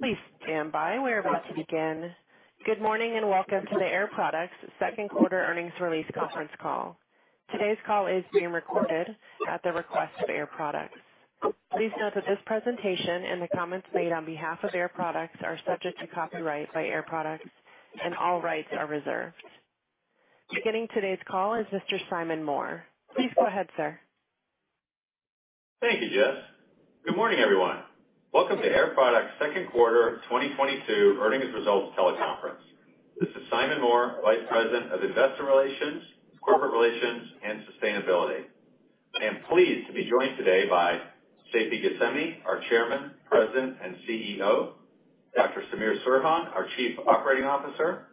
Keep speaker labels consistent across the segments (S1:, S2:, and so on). S1: Please stand by. We're about to begin. Good morning, and welcome to the Air Products Q2 earnings release conference call. Today's call is being recorded at the request of Air Products. Please note that this presentation and the comments made on behalf of Air Products are subject to copyright by Air Products and all rights are reserved. Beginning today's call is Mr. Siddhartha Singh. Please go ahead, sir.
S2: Thank you, Jess. Good morning, everyone. Welcome to Air Products Q2 2022 earnings results teleconference. This is Siddhartha Singh, Vice President of Investor Relations, Corporate Relations, and Sustainability. I am pleased to be joined today by Seifi Ghasemi, our Chairman, President, and CEO, Dr. Samir Serhan, our Chief Operating Officer,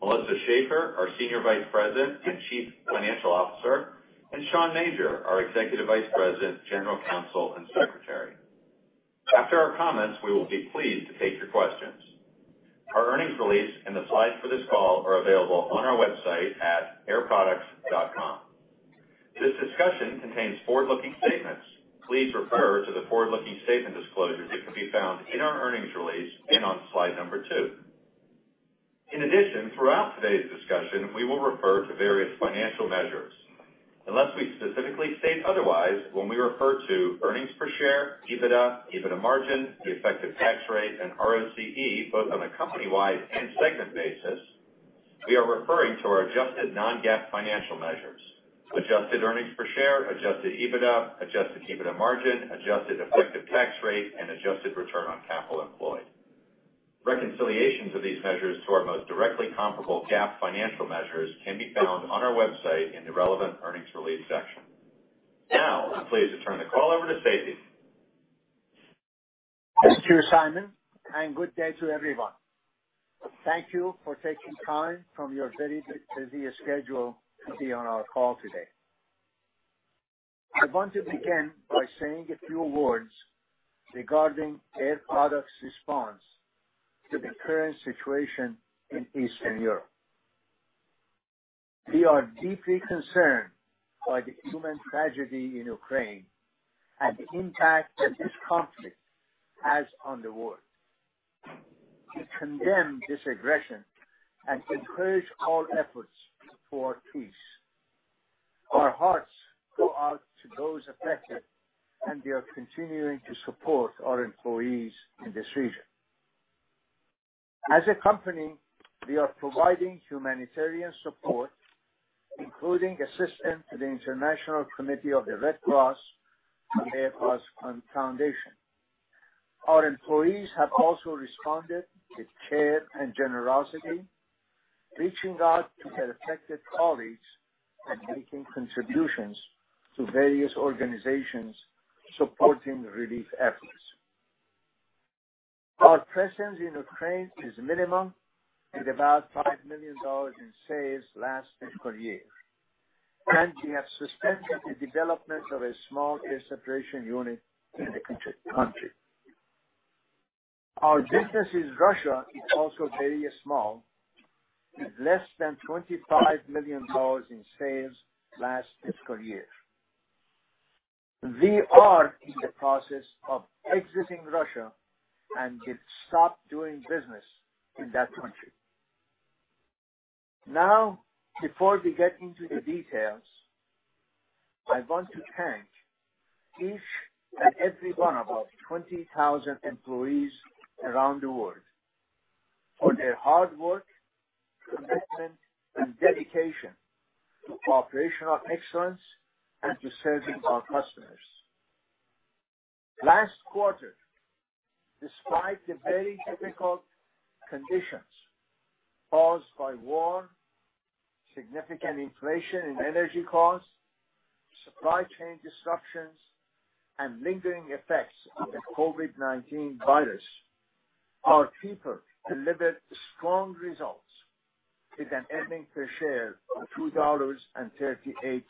S2: Melissa Schaeffer, our Senior Vice President and Chief Financial Officer, and Sean Major, our Executive Vice President, General Counsel, and Secretary. After our comments, we will be pleased to take your questions. Our earnings release and the slides for this call are available on our website at airproducts.com. This discussion contains forward-looking statements. Please refer to the forward-looking statement disclosures that can be found in our earnings release and on slide number two. In addition, throughout today's discussion, we will refer to various financial measures. Unless we specifically state otherwise, when we refer to earnings per share, EBITDA margin, the effective tax rate, and ROCE, both on a company-wide and segment basis, we are referring to our adjusted non-GAAP financial measures, adjusted earnings per share, adjusted EBITDA, adjusted EBITDA margin, adjusted effective tax rate, and adjusted return on capital employed. Reconciliations of these measures to our most directly comparable GAAP financial measures can be found on our website in the relevant earnings release section. Now I'm pleased to turn the call over to Seifi.
S3: Thank you, Singh, and good day to everyone. Thank you for taking time from your very busy schedule to be on our call today. I want to begin by saying a few words regarding Air Products' response to the current situation in Eastern Europe. We are deeply concerned by the human tragedy in Ukraine and the impact that this conflict has on the world. We condemn this aggression and encourage all efforts for peace. Our hearts go out to those affected, and we are continuing to support our employees in this region. As a company, we are providing humanitarian support, including assistance to the International Committee of the Red Cross and Air Products Foundation. Our employees have also responded with care and generosity, reaching out to their affected colleagues and making contributions to various organizations supporting relief efforts. Our presence in Ukraine is minimal, with about $5 million in sales last fiscal year, and we have suspended the development of a small air separation unit in the country. Our business in Russia is also very small, with less than $25 million in sales last fiscal year. We are in the process of exiting Russia and have stopped doing business in that country. Now, before we get into the details, I want to thank each and every one of our 20,000 employees around the world for their hard work, commitment, and dedication to operational excellence and to serving our customers. Last quarter, despite the very difficult conditions caused by war, significant inflation in energy costs, supply chain disruptions, and lingering effects of the COVID-19 virus, our people delivered strong results with an earnings per share of $2.38,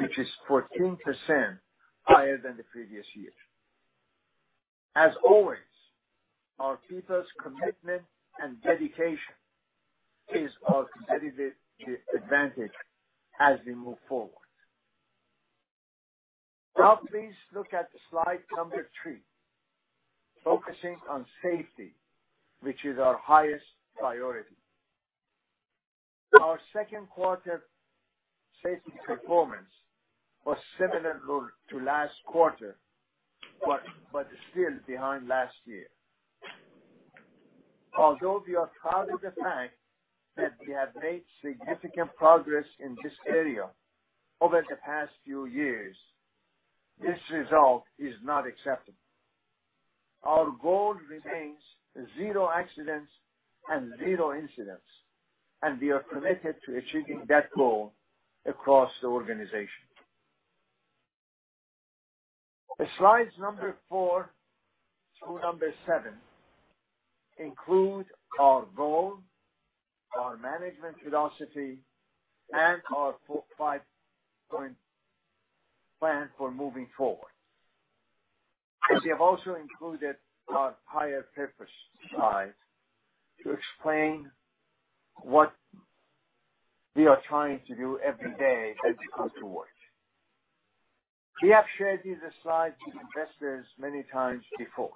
S3: which is 14% higher than the previous year. As always, our people's commitment and dedication is our competitive advantage as we move forward. Now please look at slide 3, focusing on safety, which is our highest priority. Our Q2 safety performance was similar to last quarter, but still behind last year. Although we are proud of the fact that we have made significant progress in this area over the past few years, this result is not acceptable. Our goal remains zero accidents and zero incidents, and we are committed to achieving that goal across the organization. Slides 4 through 7 include our goal, our management philosophy, and our 4-5 point plan for moving forward. We have also included our higher purpose slide to explain what we are trying to do every day as we come to work. We have shared these slides with investors many times before,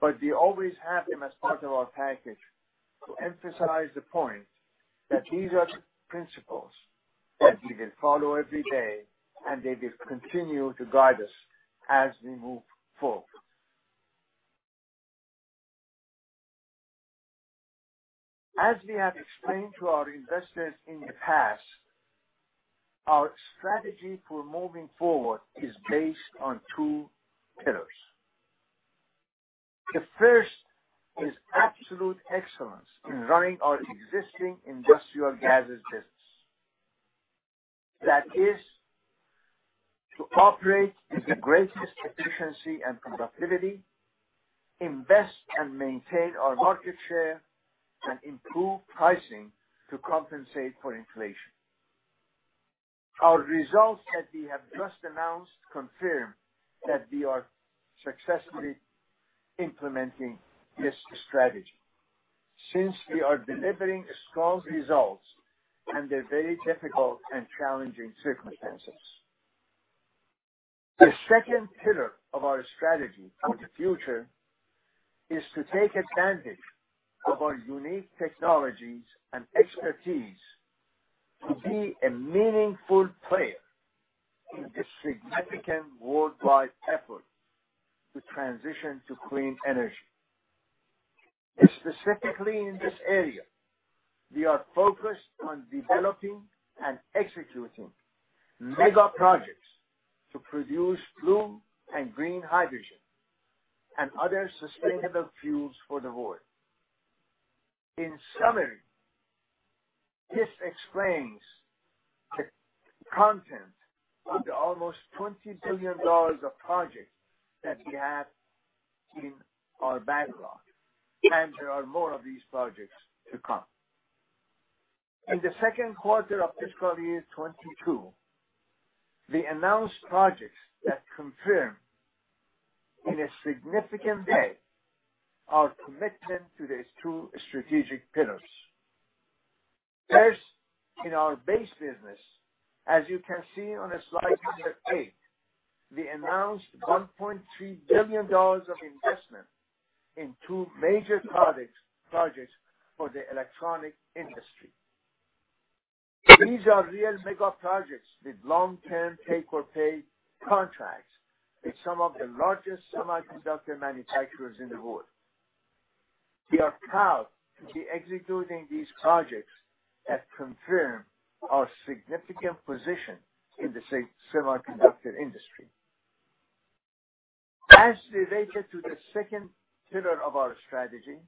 S3: but we always have them as part of our package to emphasize the point that these are principles that we will follow every day, and they will continue to guide us as we move forward. As we have explained to our investors in the past, our strategy for moving forward is based on two pillars. The first is absolute excellence in running our existing industrial gases business. That is to operate with the greatest efficiency and productivity, invest and maintain our market share, and improve pricing to compensate for inflation. Our results that we have just announced confirm that we are successfully implementing this strategy since we are delivering strong results under very difficult and challenging circumstances. The second pillar of our strategy for the future is to take advantage of our unique technologies and expertise to be a meaningful player in the significant worldwide effort to transition to clean energy. Specifically in this area, we are focused on developing and executing mega projects to produce blue and green hydrogen and other sustainable fuels for the world. In summary, this explains the content of the almost $20 billion of projects that we have in our backlog, and there are more of these projects to come. In the Q2 of fiscal year 2022, we announced projects that confirm in a significant way our commitment to these two strategic pillars. First, in our base business, as you can see on slide 8, we announced $1.3 billion of investment in two major projects for the electronics industry. These are real mega projects with long-term take-or-pay contracts with some of the largest semiconductor manufacturers in the world. We are proud to be executing these projects that confirm our significant position in the semiconductor industry. As related to the second pillar of our strategy,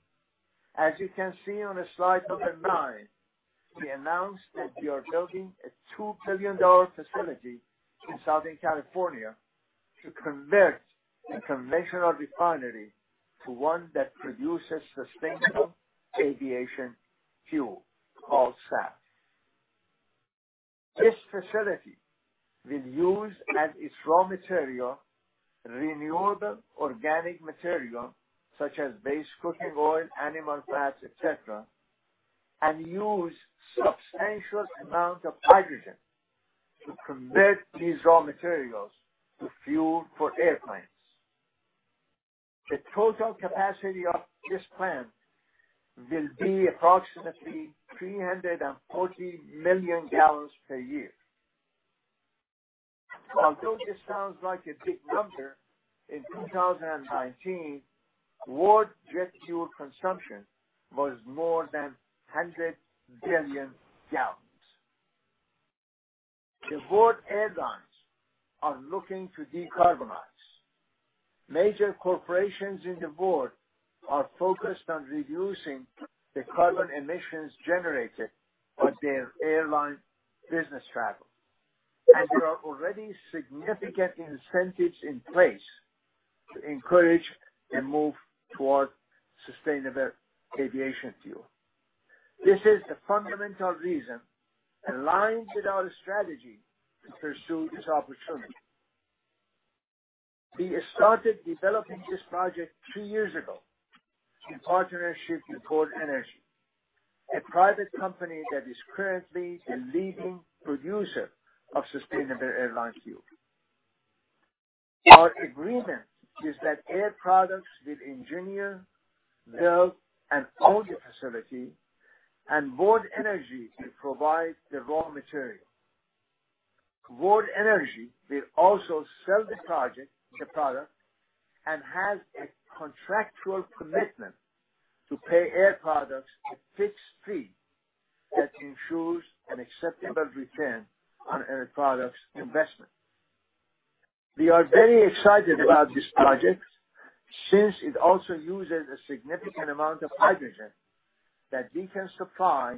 S3: as you can see on slide 9, we announced that we are building a $2 billion facility in Southern California to convert a conventional refinery to one that produces sustainable aviation fuel, called SAF. This facility will use as its raw material renewable organic material such as used cooking oil, animal fats, et cetera, and use substantial amounts of hydrogen to convert these raw materials to fuel for airplanes. The total capacity of this plant will be approximately 340 million gallons per year. Although this sounds like a big number, in 2019, world jet fuel consumption was more than 100 billion gallons. The world airlines are looking to decarbonize. Major corporations in the world are focused on reducing the carbon emissions generated on their airline business travel. There are already significant incentives in place to encourage a move towards sustainable aviation fuel. This is a fundamental reason aligns with our strategy to pursue this opportunity. We started developing this project two years ago in partnership with World Energy, a private company that is currently the leading producer of sustainable airline fuel. Our agreement is that Air Products will engineer, build, and own the facility, and World Energy will provide the raw material. World Energy will also sell the project, the product, and has a contractual commitment to pay Air Products a fixed fee that ensures an acceptable return on Air Products investment. We are very excited about this project since it also uses a significant amount of hydrogen that we can supply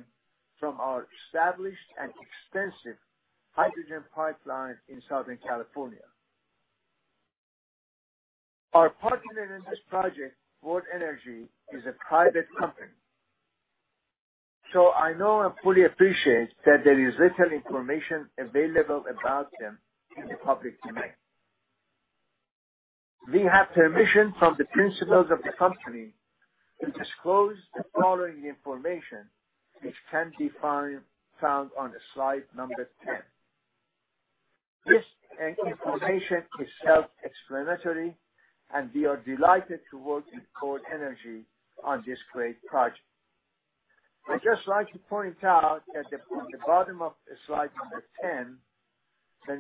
S3: from our established and extensive hydrogen pipelines in Southern California. Our partner in this project, World Energy, is a private company. I know and fully appreciate that there is little information available about them in the public domain. We have permission from the principals of the company to disclose the following information, which can be found on slide number 10. This information is self-explanatory, and we are delighted to work with World Energy on this great project. I'd just like to point out that at the bottom of slide 10,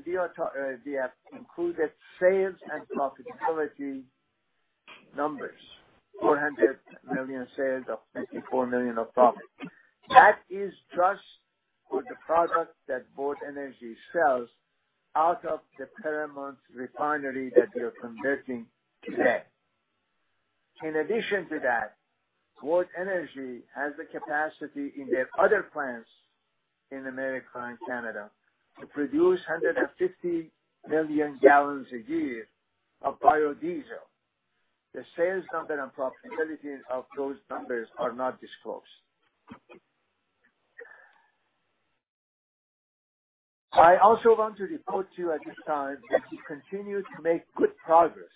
S3: we have included sales and profitability numbers, $400 million sales of $54 million of profit. That is just for the products that World Energy sells out of the Paramount refinery that we are converting today. In addition to that, World Energy has the capacity in their other plants in America and Canada to produce 150 million gallons a year of biodiesel. The sales number and profitability of those numbers are not disclosed. I also want to report to you at this time that we continue to make good progress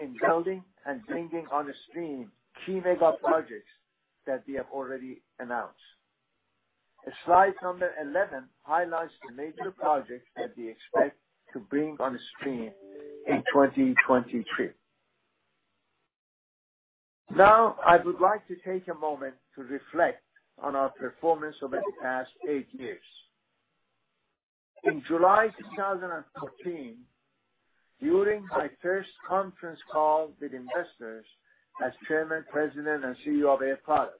S3: in building and bringing on stream key megaprojects that we have already announced. The slide 11 highlights the major projects that we expect to bring on stream in 2023. Now, I would like to take a moment to reflect on our performance over the past eight years. In July 2014, during my first conference call with investors as chairman, president, and CEO of Air Products,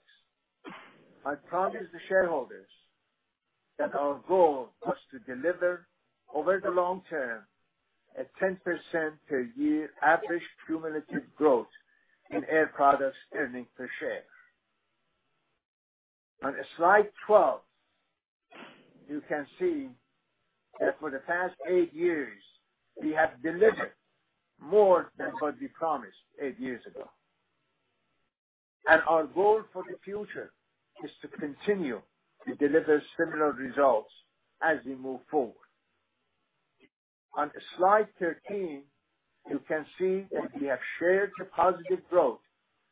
S3: I promised the shareholders that our goal was to deliver over the long term a 10% per year average cumulative growth in Air Products' earnings per share. On slide 12, you can see that for the past eight years, we have delivered more than what we promised eight years ago. Our goal for the future is to continue to deliver similar results as we move forward. On slide 13, you can see that we have shared the positive growth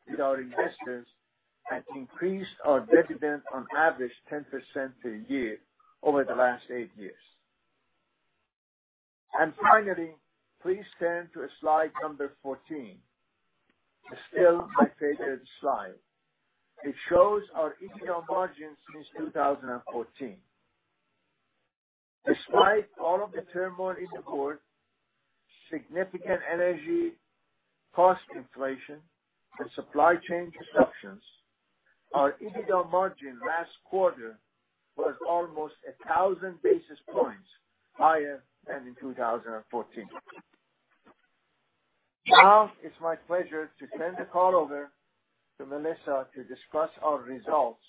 S3: with our investors and increased our dividend on average 10% per year over the last eight years. Finally, please turn to slide number 14. It's still my favorite slide. It shows our EBITDA margin since 2014. Despite all of the turmoil in the world, significant energy cost inflation, and supply chain disruptions, our EBITDA margin last quarter was almost 1,000 basis points higher than in 2014. Now it's my pleasure to turn the call over to Melissa to discuss our results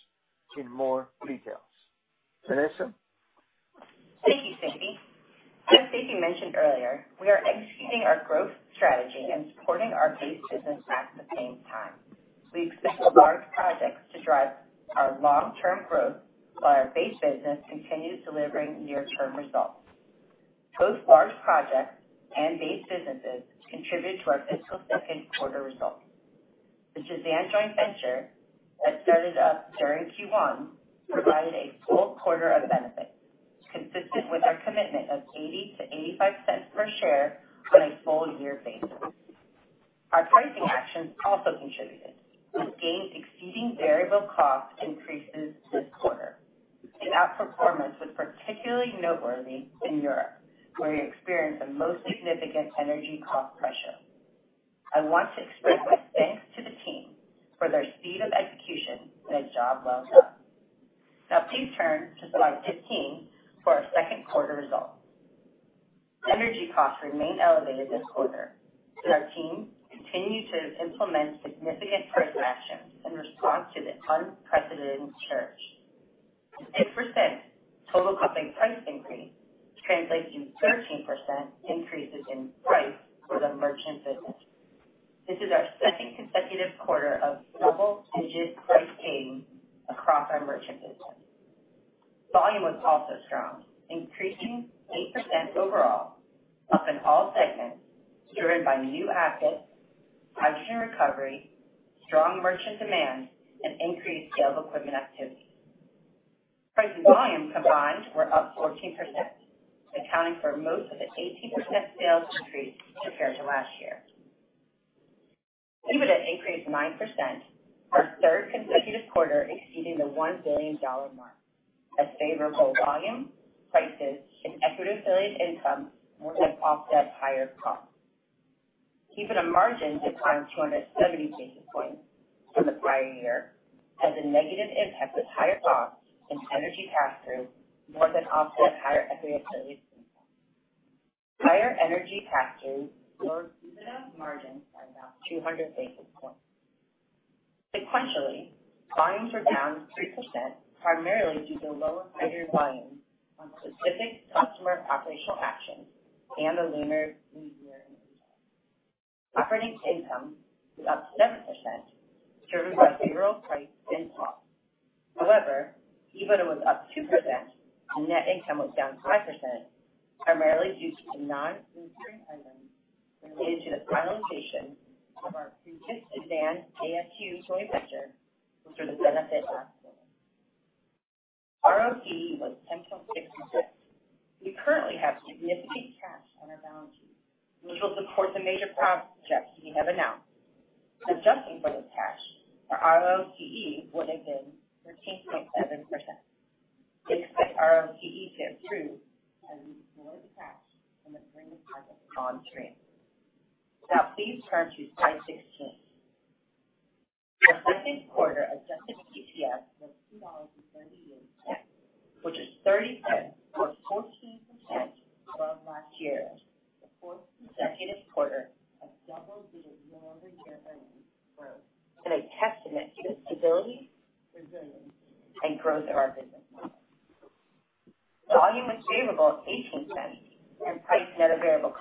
S3: in more details. Melissa?
S4: Thank you, Seifi. As Seifi mentioned earlier, we are executing our growth strategy and supporting our base business at the same time. We expect large projects to drive our long-term growth while our base business continues delivering near-term results. Both large projects and base businesses contribute to our fiscal Q2 results. The Jazan joint venture that started up during Q1 provided a full quarter of benefit, consistent with our commitment of $0.80-$0.85 per share on a full year basis. Our pricing actions also contributed. We gained, exceeding variable cost increases this quarter, and our performance was particularly noteworthy in Europe, where we experienced the most significant energy cost pressure. I want to express my thanks to the team for their speed of execution and a job well done. Now please turn to slide 15 for our Q2 results. Energy costs remained elevated this quarter, but our team continued to implement significant price actions in response to the unprecedented surge. 6% total coping price increase translates to 13% increases in price for the merchant business. This is our second consecutive quarter of double-digit price gains across our merchant business. Volume was also strong, increasing 8% overall, up in all segments, driven by new assets, hydrogen recovery, strong merchant demand, and increased sales equipment activity. Price and volume combined were up 14%, accounting for most of the 18% sales increase compared to last year. EBITDA increased 9%, our third consecutive quarter exceeding the $1 billion mark. A favorable volume, prices, and equity affiliate income more than offset higher costs. EBITDA margin declined 270 basis points from the prior year, as a negative impact with higher costs and energy pass-throughs more than offset higher equity affiliate income. Higher energy pass-throughs lowered EBITDA margin by about 200 basis points. Sequentially, volumes were down 3%, primarily due to lower hydrogen volumes on specific customer operational actions and a leaner mix year-on-year. Operating income was up 7% due to a favorable price mix. However, EBITDA was up 2% and net income was down 5%, primarily due to the non-recurring items related to the finalization of our previous Jazan ASU joint venture for the benefit last quarter. ROCE was 10.66. We currently have significant cash on our balance sheet, which will support the major projects we have announced. Adjusting for this cash, our ROCE would have been 13.7%. Expect ROCE to improve as we deploy the cash from the three new projects on stream. Now please turn to slide 16. Our Q2 adjusted EPS was $2.38, which is $0.30 or 14% above last year. The fourth consecutive quarter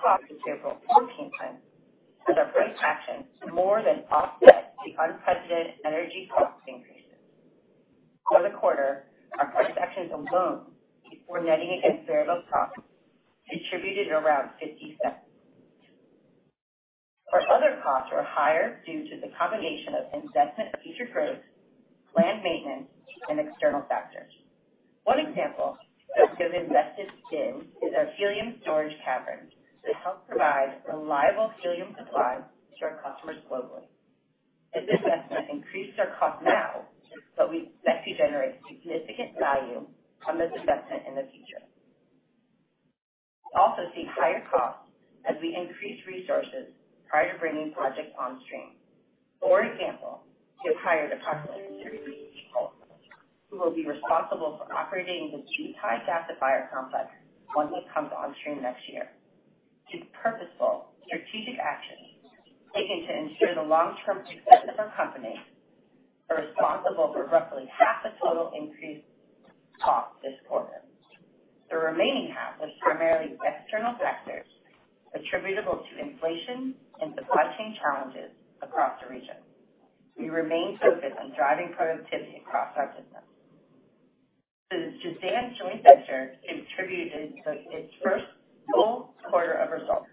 S4: of double-digit year-over-year earnings growth is a testament to the stability, resilience, and growth of our business model. The volume was favorable at $0.18 and price net of variable cost was favorable at $0.14 as our price actions more than offset the unprecedented energy cost increases. For the quarter, our price actions alone, before netting against variable costs, contributed around $0.50. Our other costs are higher due to the combination of investment in future growth, planned maintenance, and external factors. One example of what we have invested in is our helium storage caverns that help provide reliable helium supplies to our customers globally. As this investment increased our cost now, but we expect to generate significant value from this investment in the future. We also see higher costs as we increase resources prior to bringing projects on stream. For example, we have hired approximately 30 people who will be responsible for operating the GTL gasifier complex once it comes on stream next year. These purposeful strategic actions taken to ensure the long-term success of our company are responsible for roughly half the total increased cost this quarter. The remaining half was primarily external factors attributable to inflation and supply chain challenges across the region. We remain focused on driving productivity across our business. The Jazan joint venture contributed to its first full quarter of results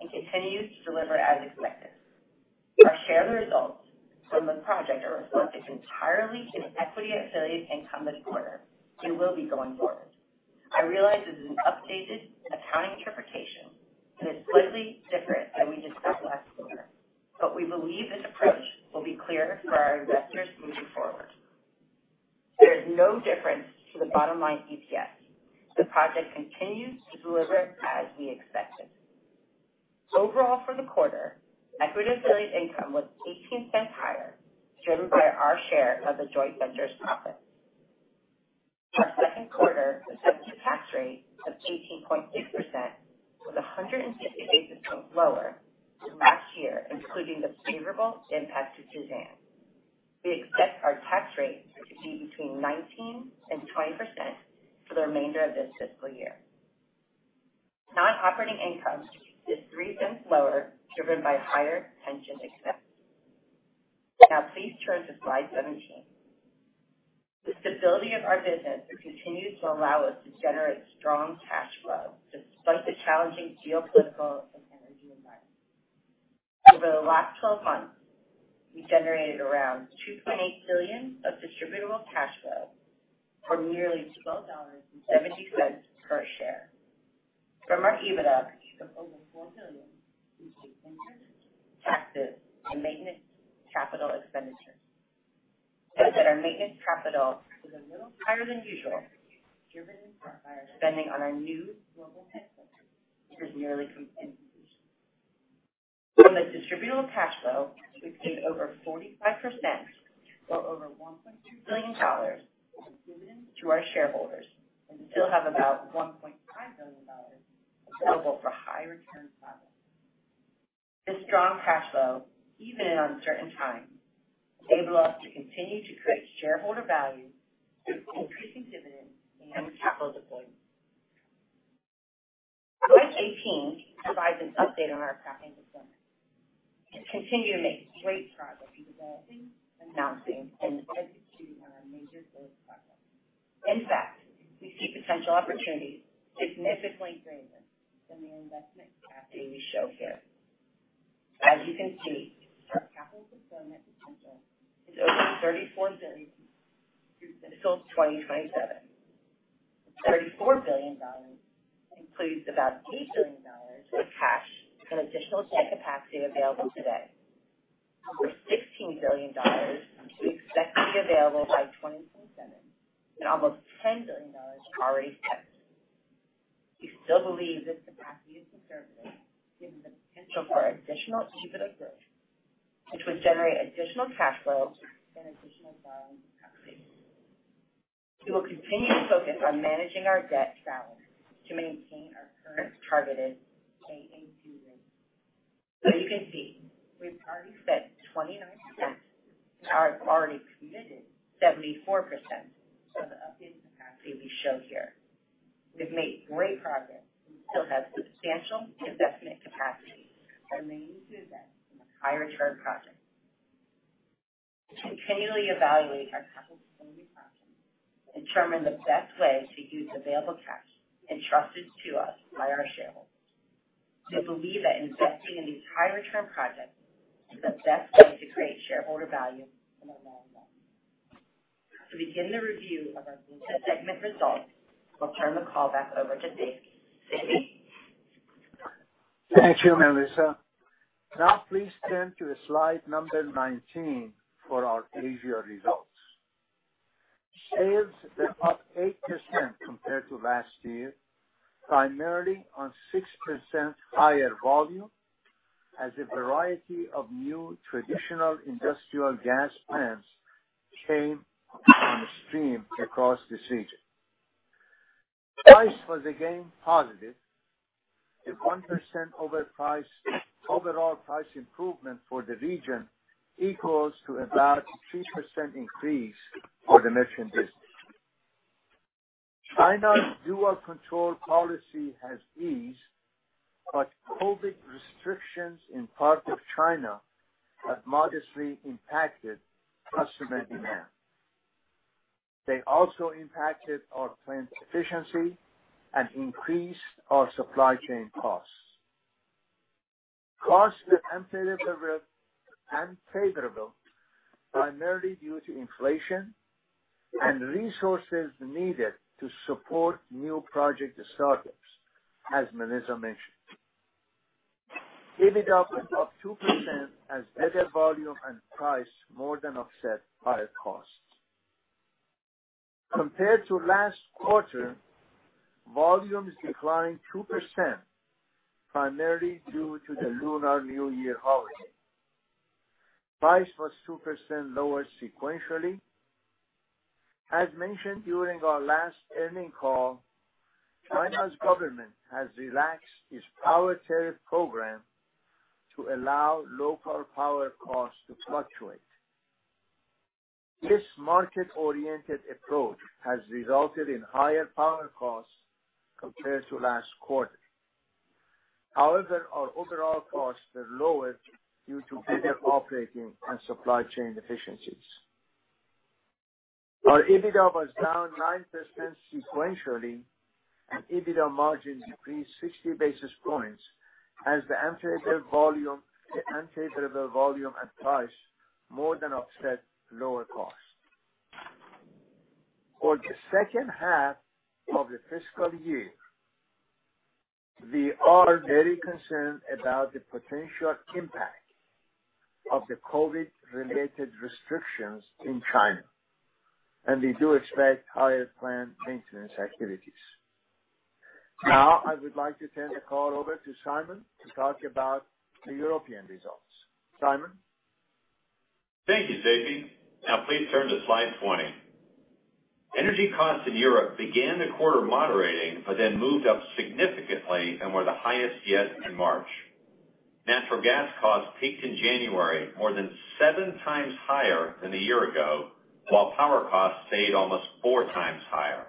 S4: and continues to deliver as expected. Our share of the results from the project are reflected entirely in equity affiliate income this quarter and will be going forward. I realize this is an updated accounting interpretation and is slightly different than we discussed last quarter, but we believe this approach will be clearer for our investors moving forward. There is no difference to the bottom line EPS. The project continues to deliver as we expected. Overall, for the quarter, equity affiliate income was $0.18 higher, driven by our share of the joint venture's profits. Our Q2 effective tax rate of 18.6% was 150 basis points lower than last year, including the favorable impact to Jazan. We expect our tax rate to be between 19%-20% for the remainder of this fiscal year. Non-operating income is $0.03 lower, driven by higher pension expenses. Now please turn to slide 17. The stability of our business continues to allow us to generate strong cash flow despite the challenging geopolitical and energy environment. Over the last 12 months, we generated around $2.8 billion of distributable cash flow or nearly $12.70 per share. From our EBITDA of over $4 billion, we paid interest, taxes and maintenance capital expenditures. Note that our maintenance capital was a little higher than usual, driven by our spending on our new global headquarters, which is nearly complete. From this distributable cash flow, we paid over 45% or over $1.2 billion as dividend to our shareholders, and we still have about $1.5 billion available for high return projects. This strong cash flow, even in uncertain times, enable us to continue to create shareholder value through increasing dividends and capital deployment. Slide 18 provides an update on our capital deployment. We continue to make great progress developing, announcing, and executing our major growth projects. In fact, we see potential opportunities significantly greater than the investment capacity we show here. As you can see, our capital deployment potential is over $34 billion through fiscal 2027. $34 billion includes about $8 billion of cash and additional debt capacity available today, over $16 billion, which we expect to be available by 2027, and almost $10 billion already spent. We still believe this capacity is conservative given the potential for additional EBITDA growth, which would generate additional cash flow and additional borrowing capacity. We will continue to focus on managing our debt balance to maintain our current targeted A2 rating. You can see we've already spent 29% and are already committed 74%. Actually shown here. We've made great progress and still have substantial investment capacity that remains to invest in higher return projects. We continually evaluate our capital spending projects to determine the best way to use available cash entrusted to us by our shareholders. We believe that investing in these high return projects is the best way to create shareholder value in the long run. To begin the review of our segment results, I'll turn the call back over to Seifi. Seifi?
S3: Thank you, Melissa. Now please turn to slide number 19 for our Asia results. Sales were up 8% compared to last year, primarily on 6% higher volume as a variety of new traditional industrial gas plants came on stream across this region. Price was again positive. A 1% overall price improvement for the region equals to about 3% increase for the merchant business. China's dual control policy has eased, but COVID restrictions in parts of China have modestly impacted customer demand. They also impacted our plant efficiency and increased our supply chain costs. Costs were unfavorable, primarily due to inflation and resources needed to support new project startups, as Melissa mentioned. EBITDA was up 2% as better volume and price more than offset higher costs. Compared to last quarter, volumes declined 2%, primarily due to the Lunar New Year holiday. Price was 2% lower sequentially. As mentioned during our last earnings call, China's government has relaxed its power tariff program to allow local power costs to fluctuate. This market-oriented approach has resulted in higher power costs compared to last quarter. However, our overall costs were lower due to better operating and supply chain efficiencies. Our EBITDA was down 9% sequentially, and EBITDA margins decreased 60 basis points as the unfavorable volume and price more than offset lower costs. For the H2 of the fiscal year, we are very concerned about the potential impact of the COVID-related restrictions in China, and we do expect higher plant maintenance activities. Now, I would like to turn the call over to Samir to talk about the European results. Samir?
S5: Thank you, Seifi. Now please turn to slide 20. Energy costs in Europe began the quarter moderating, but then moved up significantly and were the highest yet in March. Natural gas costs peaked in January, more than seven times higher than a year ago, while power costs stayed almost four times higher.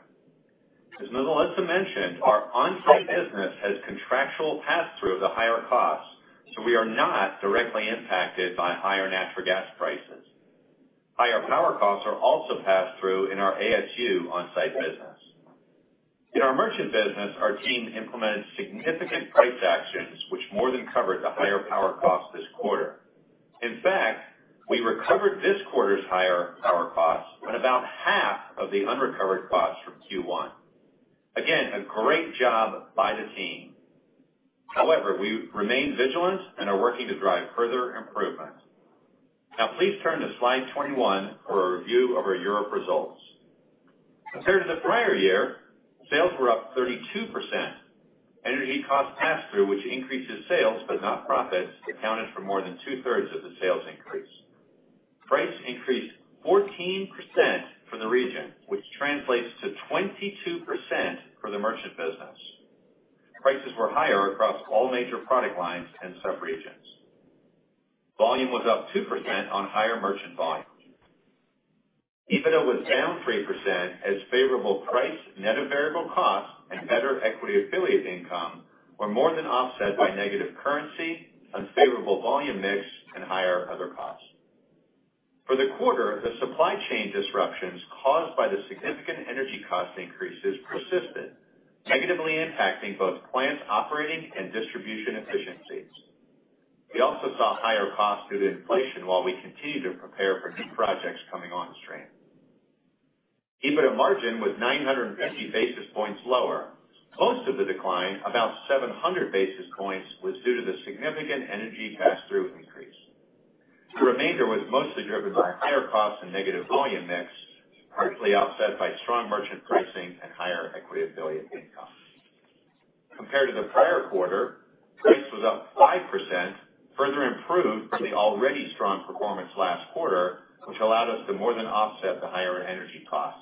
S5: As Melissa mentioned, our on-site business has contractual pass through of the higher costs, so we are not directly impacted by higher natural gas prices. Higher power costs are also passed through in our ASU on-site business. In our merchant business, our team implemented significant price actions, which more than covered the higher power costs this quarter. In fact, we recovered this quarter's higher power costs and about half of the unrecovered costs from Q1. Again, a great job by the team. However, we remain vigilant and are working to drive further improvements. Now please turn to slide 21 for a review of our Europe results. Compared to the prior year, sales were up 32%. Energy cost pass-through, which increases sales but not profits, accounted for more than two-thirds of the sales increase. Price increased 14% for the region, which translates to 22% for the merchant business. Prices were higher across all major product lines and subregions. Volume was up 2% on higher merchant volume. EBITDA was down 3% as favorable price, net of variable costs, and better equity affiliate income were more than offset by negative currency, unfavorable volume mix, and higher other costs. For the quarter, the supply chain disruptions caused by the significant energy cost increases persisted, negatively impacting both plant operating and distribution efficiencies. We also saw higher costs due to inflation while we continue to prepare for new projects coming on stream. EBITDA margin was 950 basis points lower. Most of the decline, about 700 basis points, was due to the significant energy pass-through increase. The remainder was mostly driven by higher costs and negative volume mix, partly offset by strong merchant pricing and higher equity affiliate income. Compared to the prior quarter, price was up 5%, further improved from the already strong performance last quarter, which allowed us to more than offset the higher energy costs.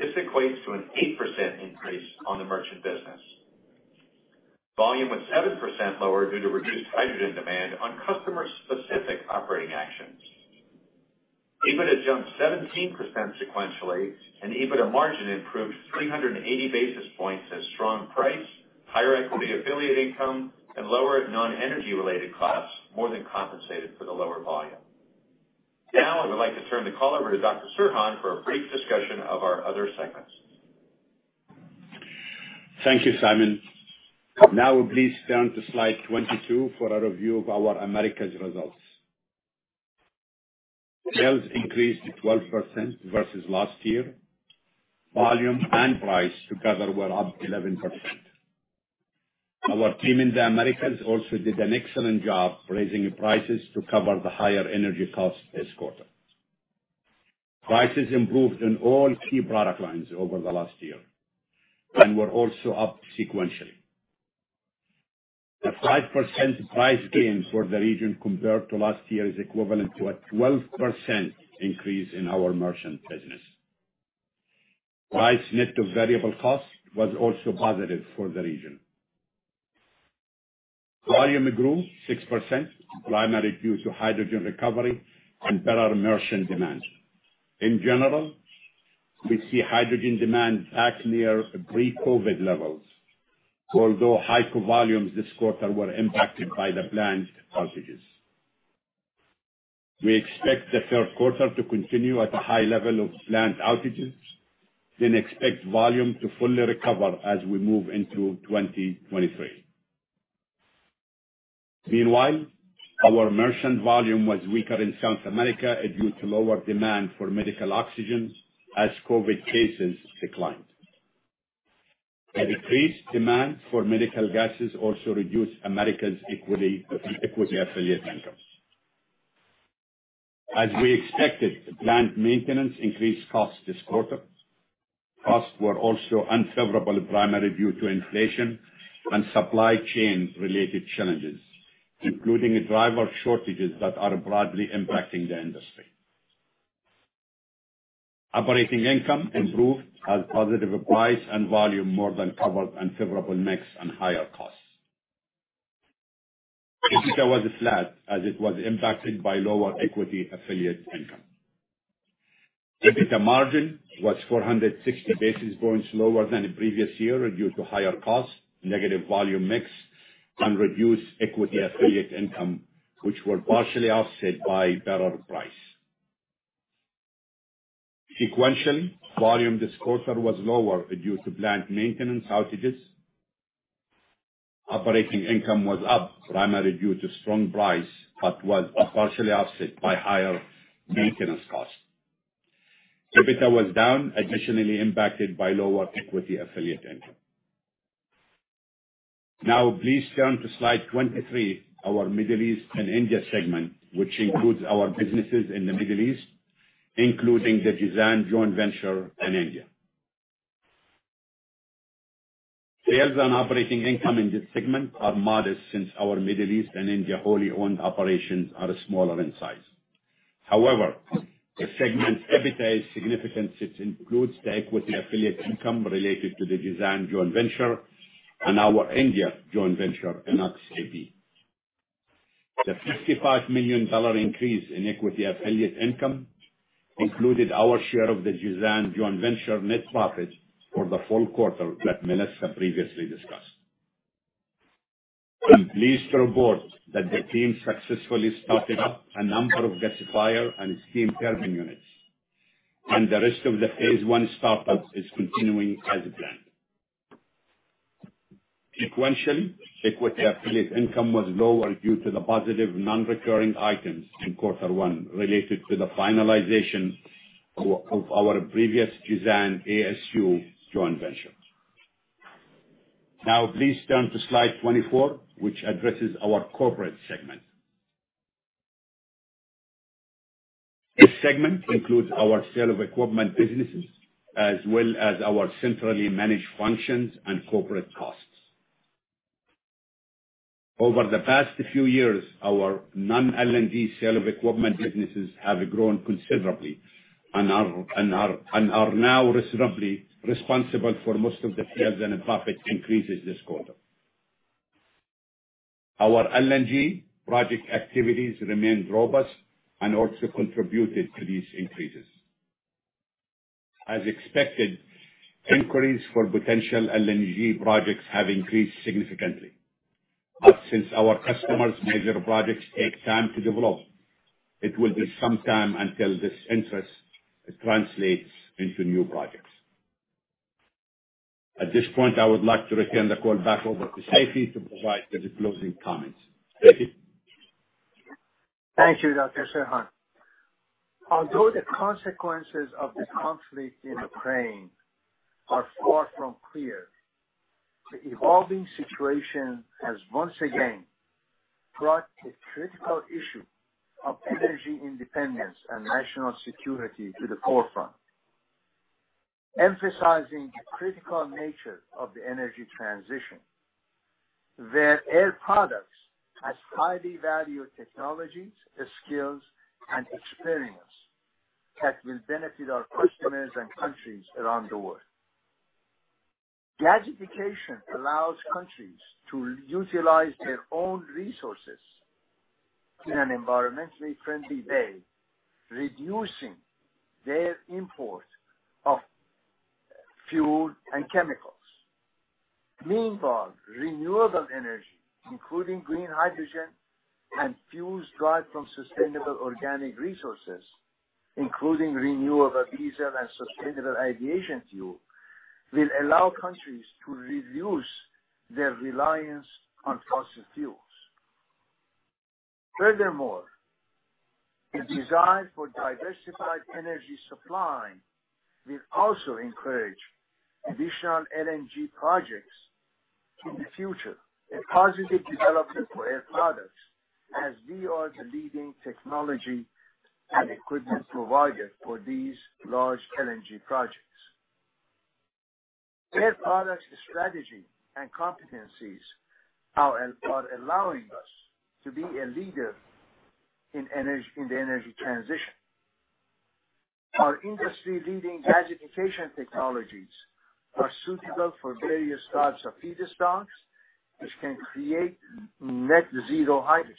S5: This equates to an 8% increase on the merchant business. Volume was 7% lower due to reduced hydrogen demand on customer-specific operating actions. EBITDA jumped 17% sequentially, and EBITDA margin improved 380 basis points as strong price, higher equity affiliate income, and lower non-energy related costs more than compensated for the lower volume. Now, I would like to turn the call over to Dr. Serhan for a brief discussion of our other segments. Thank you, Singh. Now please turn to slide 22 for a review of our Americas results. Sales increased 12% versus last year. Volume and price together were up 11%. Our team in the Americas also did an excellent job raising prices to cover the higher energy costs this quarter. Prices improved in all key product lines over the last year and were also up sequentially. The 5% price gain for the region compared to last year is equivalent to a 12% increase in our merchant business. Price net of variable costs was also positive for the region. Volume grew 6%, primarily due to hydrogen recovery and better merchant demand. In general, we see hydrogen demand back near pre-COVID levels, although HyCO volumes this quarter were impacted by the plant outages. We expect the Q3 to continue at a high level of plant outages, then expect volume to fully recover as we move into 2023. Meanwhile, our merchant volume was weaker in South America due to lower demand for medical oxygen as COVID cases declined. A decreased demand for medical gases also reduced Americas equity affiliate incomes. As we expected, plant maintenance increased costs this quarter. Costs were also unfavorable, primarily due to inflation and supply chain related challenges, including driver shortages that are broadly impacting the industry. Operating income improved as positive price and volume more than covered unfavorable mix and higher costs. EBITDA was flat as it was impacted by lower equity affiliate income. EBITDA margin was 460 basis points lower than the previous year due to higher costs, negative volume mix, and reduced equity affiliate income, which were partially offset by better price. Sequentially, volume this quarter was lower due to plant maintenance outages. Operating income was up, primarily due to strong price, but was partially offset by higher maintenance costs. EBITDA was down, additionally impacted by lower equity affiliate income. Now please turn to slide 23, our Middle East and India segment, which includes our businesses in the Middle East, including the Jazan joint venture in India. Sales and operating income in this segment are modest since our Middle East and India wholly-owned operations are smaller in size. However, the segment's EBITDA is significant since it includes the equity affiliate income related to the Jazan joint venture and our India joint venture, INOX AP. The $55 million increase in equity affiliate income included our share of the Jazan joint venture net profit for the full quarter that Melissa previously discussed. I'm pleased to report that the team successfully started up a number of gasifier and steam turbine units, and the rest of the phase one startup is continuing as planned. Sequentially, equity affiliate income was lower due to the positive non-recurring items in quarter one related to the finalization of our previous Jazan ASU joint venture. Now please turn to slide 24, which addresses our corporate segment. This segment includes our sale of equipment businesses as well as our centrally managed functions and corporate costs. Over the past few years, our non-LNG sale of equipment businesses have grown considerably and are now responsible for most of the sales and profit increases this quarter. Our LNG project activities remain robust and also contributed to these increases. As expected, inquiries for potential LNG projects have increased significantly. Since our customers' major projects take time to develop, it will be some time until this interest translates into new projects. At this point, I would like to return the call back over to Seifi to provide the closing comments. Seifi?
S3: Thank you, Dr. Serhan. Although the consequences of the conflict in Ukraine are far from clear, the evolving situation has once again brought the critical issue of energy independence and national security to the forefront, emphasizing the critical nature of the energy transition, where Air Products has highly valued technologies, skills, and experience. That will benefit our customers and countries around the world. Gasification allows countries to utilize their own resources in an environmentally friendly way, reducing their import of fuel and chemicals. Meanwhile, renewable energy, including green hydrogen and fuels derived from sustainable organic resources, including renewable diesel and sustainable aviation fuel, will allow countries to reduce their reliance on fossil fuels. Furthermore, the desire for diversified energy supply will also encourage additional LNG projects in the future, a positive development for Air Products as we are the leading technology and equipment provider for these large LNG projects. Air Products' strategy and competencies are allowing us to be a leader in the energy transition. Our industry-leading gasification technologies are suitable for various types of feedstock, which can create net zero hydrogen.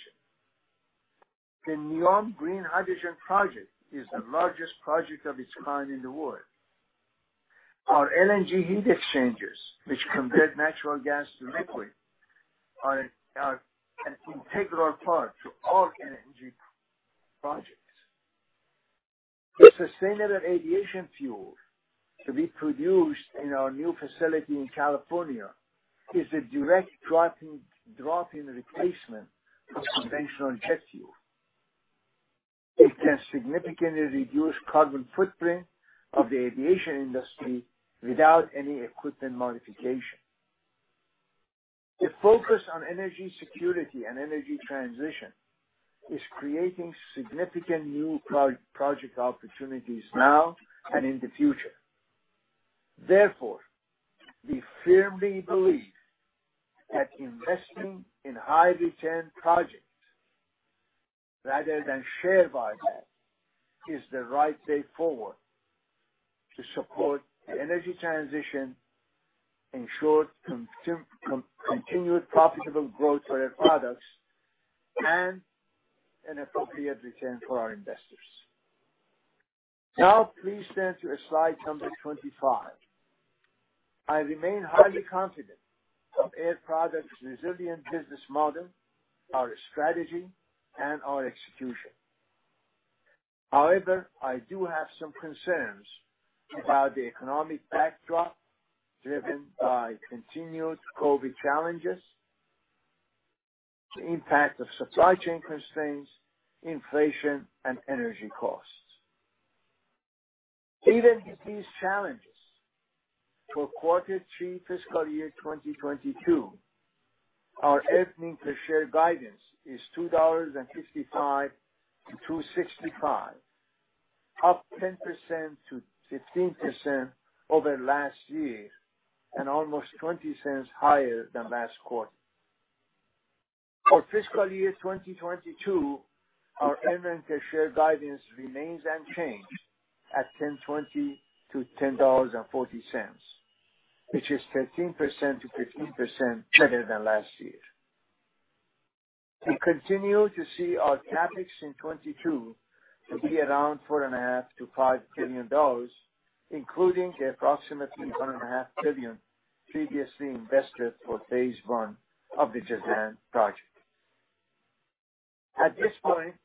S3: The NEOM Green Hydrogen project is the largest project of its kind in the world. Our LNG heat exchangers, which convert natural gas to liquid, are an integral part to all LNG projects. The sustainable aviation fuel to be produced in our new facility in California is a direct drop-in replacement for conventional jet fuel. It can significantly reduce carbon footprint of the aviation industry without any equipment modification. The focus on energy security and energy transition is creating significant new project opportunities now and in the future. Therefore, we firmly believe that investing in high-return projects rather than share buyback is the right way forward to support the energy transition, ensure continued profitable growth for Air Products, and an appropriate return for our investors. Now please turn to slide 25. I remain highly confident of Air Products' resilient business model, our strategy, and our execution. However, I do have some concerns about the economic backdrop driven by continued COVID challenges, the impact of supply chain constraints, inflation, and energy costs. Even with these challenges, for quarter 3 fiscal year 2022, our earnings per share guidance is $2.55-$2.65, up 10%-15% over last year, and almost 20 cents higher than last quarter. For fiscal year 2022, our earnings per share guidance remains unchanged at $10.20-$10.40, which is 13%-15% better than last year. We continue to see our CapEx in 2022 to be around $4.5-$5 billion, including the approximately $1.5 billion previously invested for phase one of the Jazan project. At this point,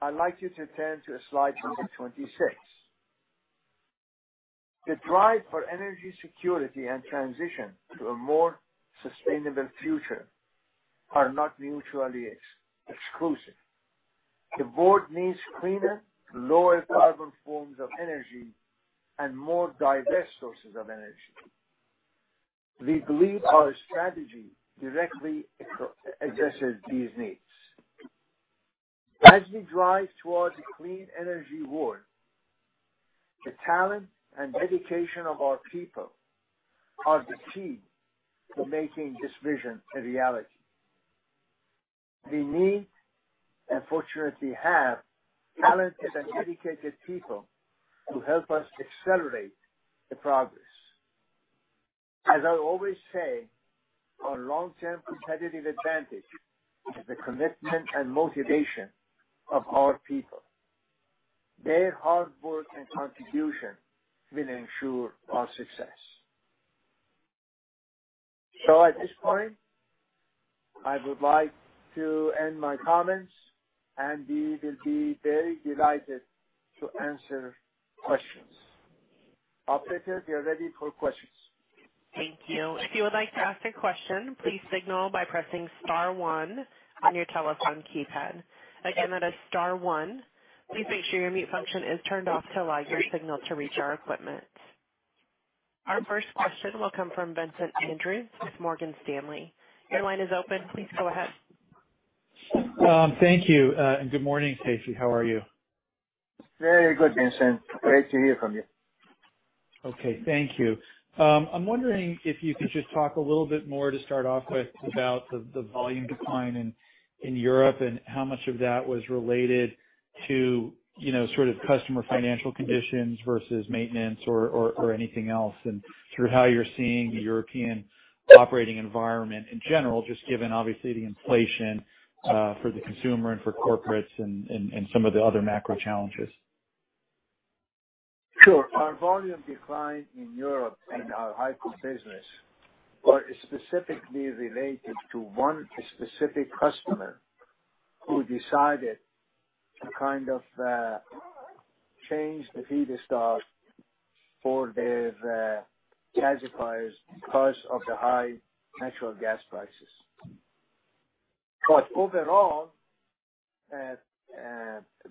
S3: I'd like you to turn to slide number 26. The drive for energy security and transition to a more sustainable future are not mutually exclusive. The world needs cleaner, lower carbon forms of energy and more diverse sources of energy. We believe our strategy directly addresses these needs. As we drive towards a clean energy world, the talent and dedication of our people are the key to making this vision a reality. We need, and fortunately have, talented and dedicated people to help us accelerate the progress. As I always say, our long-term competitive advantage is the commitment and motivation of our people. Their hard work and contribution will ensure our success. At this point, I would like to end my comments, and we will be very delighted to answer questions. Operator, we are ready for questions.
S1: Thank you. If you would like to ask a question, please signal by pressing star one on your telephone keypad. Again, that is star one. Please make sure your mute function is turned off to allow your signal to reach our equipment. Our first question will come from Vincent Andrews with Morgan Stanley. Your line is open. Please go ahead.
S6: Thank you. Good morning, Seifi. How are you?
S3: Very good, Vincent. Great to hear from you.
S6: Okay. Thank you. I'm wondering if you could just talk a little bit more to start off with about the volume decline in Europe and how much of that was related to, you know, sort of customer financial conditions versus maintenance or anything else. Sort of how you're seeing the European operating environment in general, just given obviously the inflation for the consumer and for corporates and some of the other macro challenges.
S3: Sure. Our volume decline in Europe in our HyCO business was specifically related to one specific customer who decided to kind of change the feederstock for their gasifiers because of the high natural gas prices. Overall,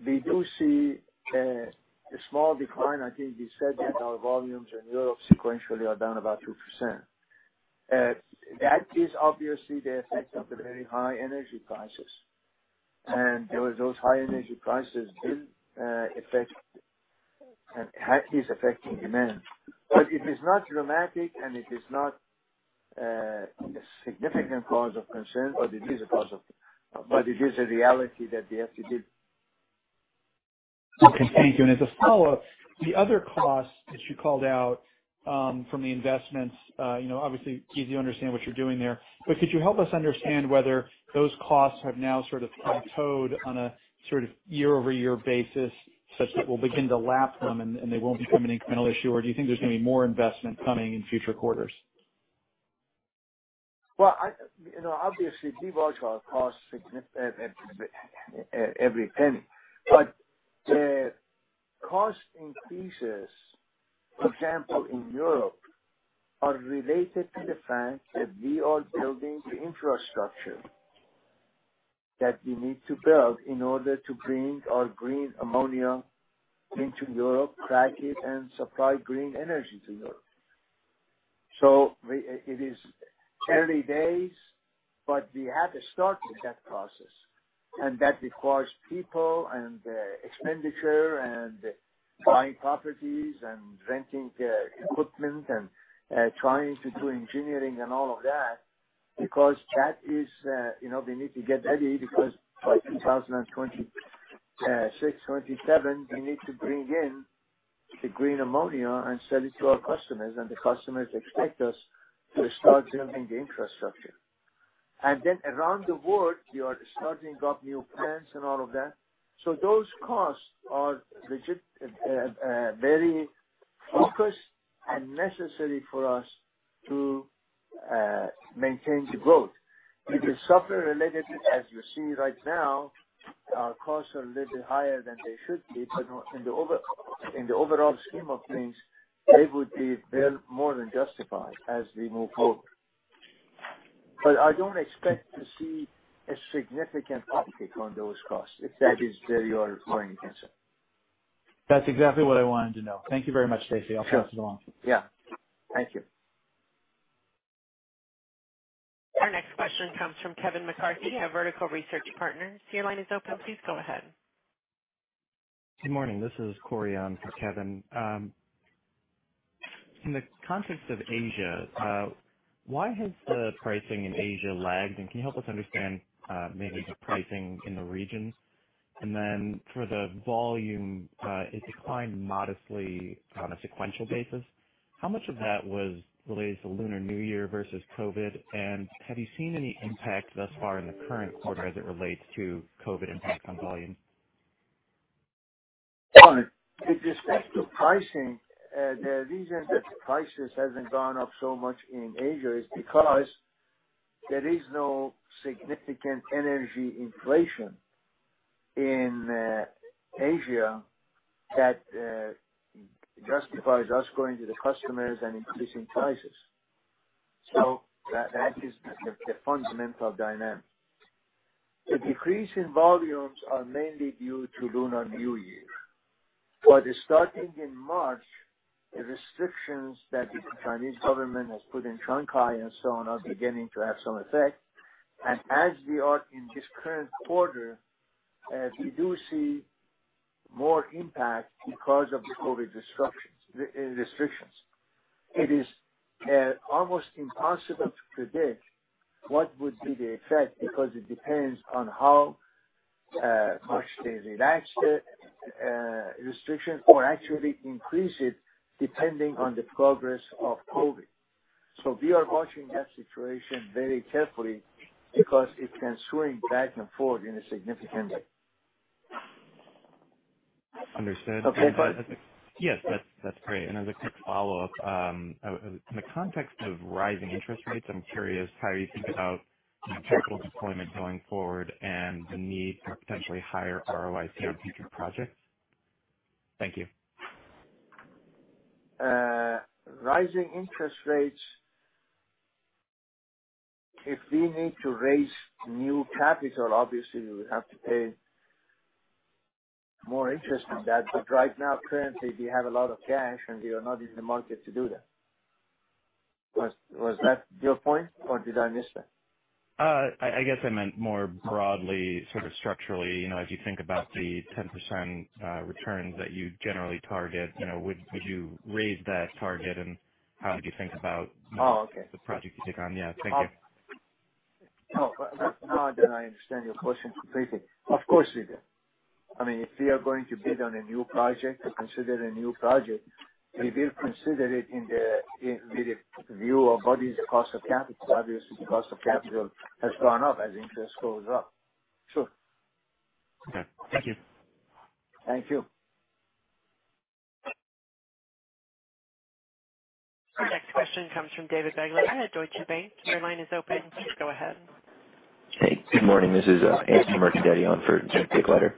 S3: we do see a small decline. I think we said that our volumes in Europe sequentially are down about 2%. That is obviously the effect of the very high energy prices. Those high energy prices did affect and is affecting demand. It is not dramatic, and it is not a significant cause of concern, but it is a reality that we have to deal.
S6: Okay, thank you. As a follow-up, the other cost that you called out, from the investments, you know, obviously easy to understand what you're doing there. But could you help us understand whether those costs have now sort of plateaued on a sort of year-over-year basis such that we'll begin to lap them and they won't become an incremental issue? Or do you think there's gonna be more investment coming in future quarters?
S3: Well, you know, obviously we watch our costs every penny. The cost increases, for example, in Europe, are related to the fact that we are building the infrastructure that we need to build in order to bring our green ammonia into Europe, crack it, and supply green energy to Europe. It is early days, but we have to start with that process. That requires people and expenditure and buying properties and renting equipment and trying to do engineering and all of that because that is, you know, we need to get ready because by 2026, 2027, we need to bring in the green ammonia and sell it to our customers, and the customers expect us to start building the infrastructure. Then around the world, we are starting up new plants and all of that. Those costs are legit, very focused and necessary for us to maintain the growth. It is sulfur related, as you see right now, our costs are a little higher than they should be. In the overall scheme of things, they would be well more than justified as we move forward. I don't expect to see a significant uptick on those costs, if that is where you are going with this.
S6: That's exactly what I wanted to know. Thank you very much, Seifi.
S3: Sure.
S6: I'll pass it along.
S3: Yeah. Thank you.
S1: Our next question comes from Kevin McCarthy of Vertical Research Partners. Your line is open. Please go ahead.
S7: Good morning. This is Cory on for Kevin. In the context of Asia, why has the pricing in Asia lagged? Can you help us understand, maybe the pricing in the region? Then for the volume, it declined modestly on a sequential basis. How much of that was related to Lunar New Year versus COVID? Have you seen any impact thus far in the current quarter as it relates to COVID impact on volume?
S3: With respect to pricing, the reason that prices hasn't gone up so much in Asia is because there is no significant energy inflation in Asia that justifies us going to the customers and increasing prices. That is the fundamental dynamic. The decrease in volumes are mainly due to Lunar New Year. Starting in March, the restrictions that the Chinese government has put in Shanghai and so on are beginning to have some effect. As we are in this current quarter, we do see more impact because of the COVID restrictions. It is almost impossible to predict what would be the effect because it depends on how much they relax the restriction or actually increase it depending on the progress of COVID. We are watching that situation very carefully because it can swing back and forth in a significant way.
S7: Understood.
S3: Okay.
S7: Yes, that's great. As a quick follow-up, in the context of rising interest rates, I'm curious how you think about capital deployment going forward and the need for potentially higher ROIC on future projects. Thank you.
S3: Rising interest rates, if we need to raise new capital, obviously we would have to pay more interest on that. Right now, currently, we have a lot of cash, and we are not in the market to do that. Was that your point, or did I miss that?
S7: I guess I meant more broadly, sort of structurally, you know, as you think about the 10% returns that you generally target, you know, would you raise that target, and how would you think about?
S3: Oh, okay.
S7: the project you take on? Yeah. Thank you.
S3: No, now that I understand your question completely. Of course we do. I mean, if we are going to bid on a new project or consider a new project, we will consider it in with the view of what is the cost of capital. Obviously, the cost of capital has gone up as interest goes up. Sure.
S7: Okay. Thank you.
S3: Thank you.
S1: Our next question comes from David Begleiter at Deutsche Bank. Your line is open. Please go ahead.
S8: Hey. Good morning. This is Anthony Mercadante on for David Begleiter.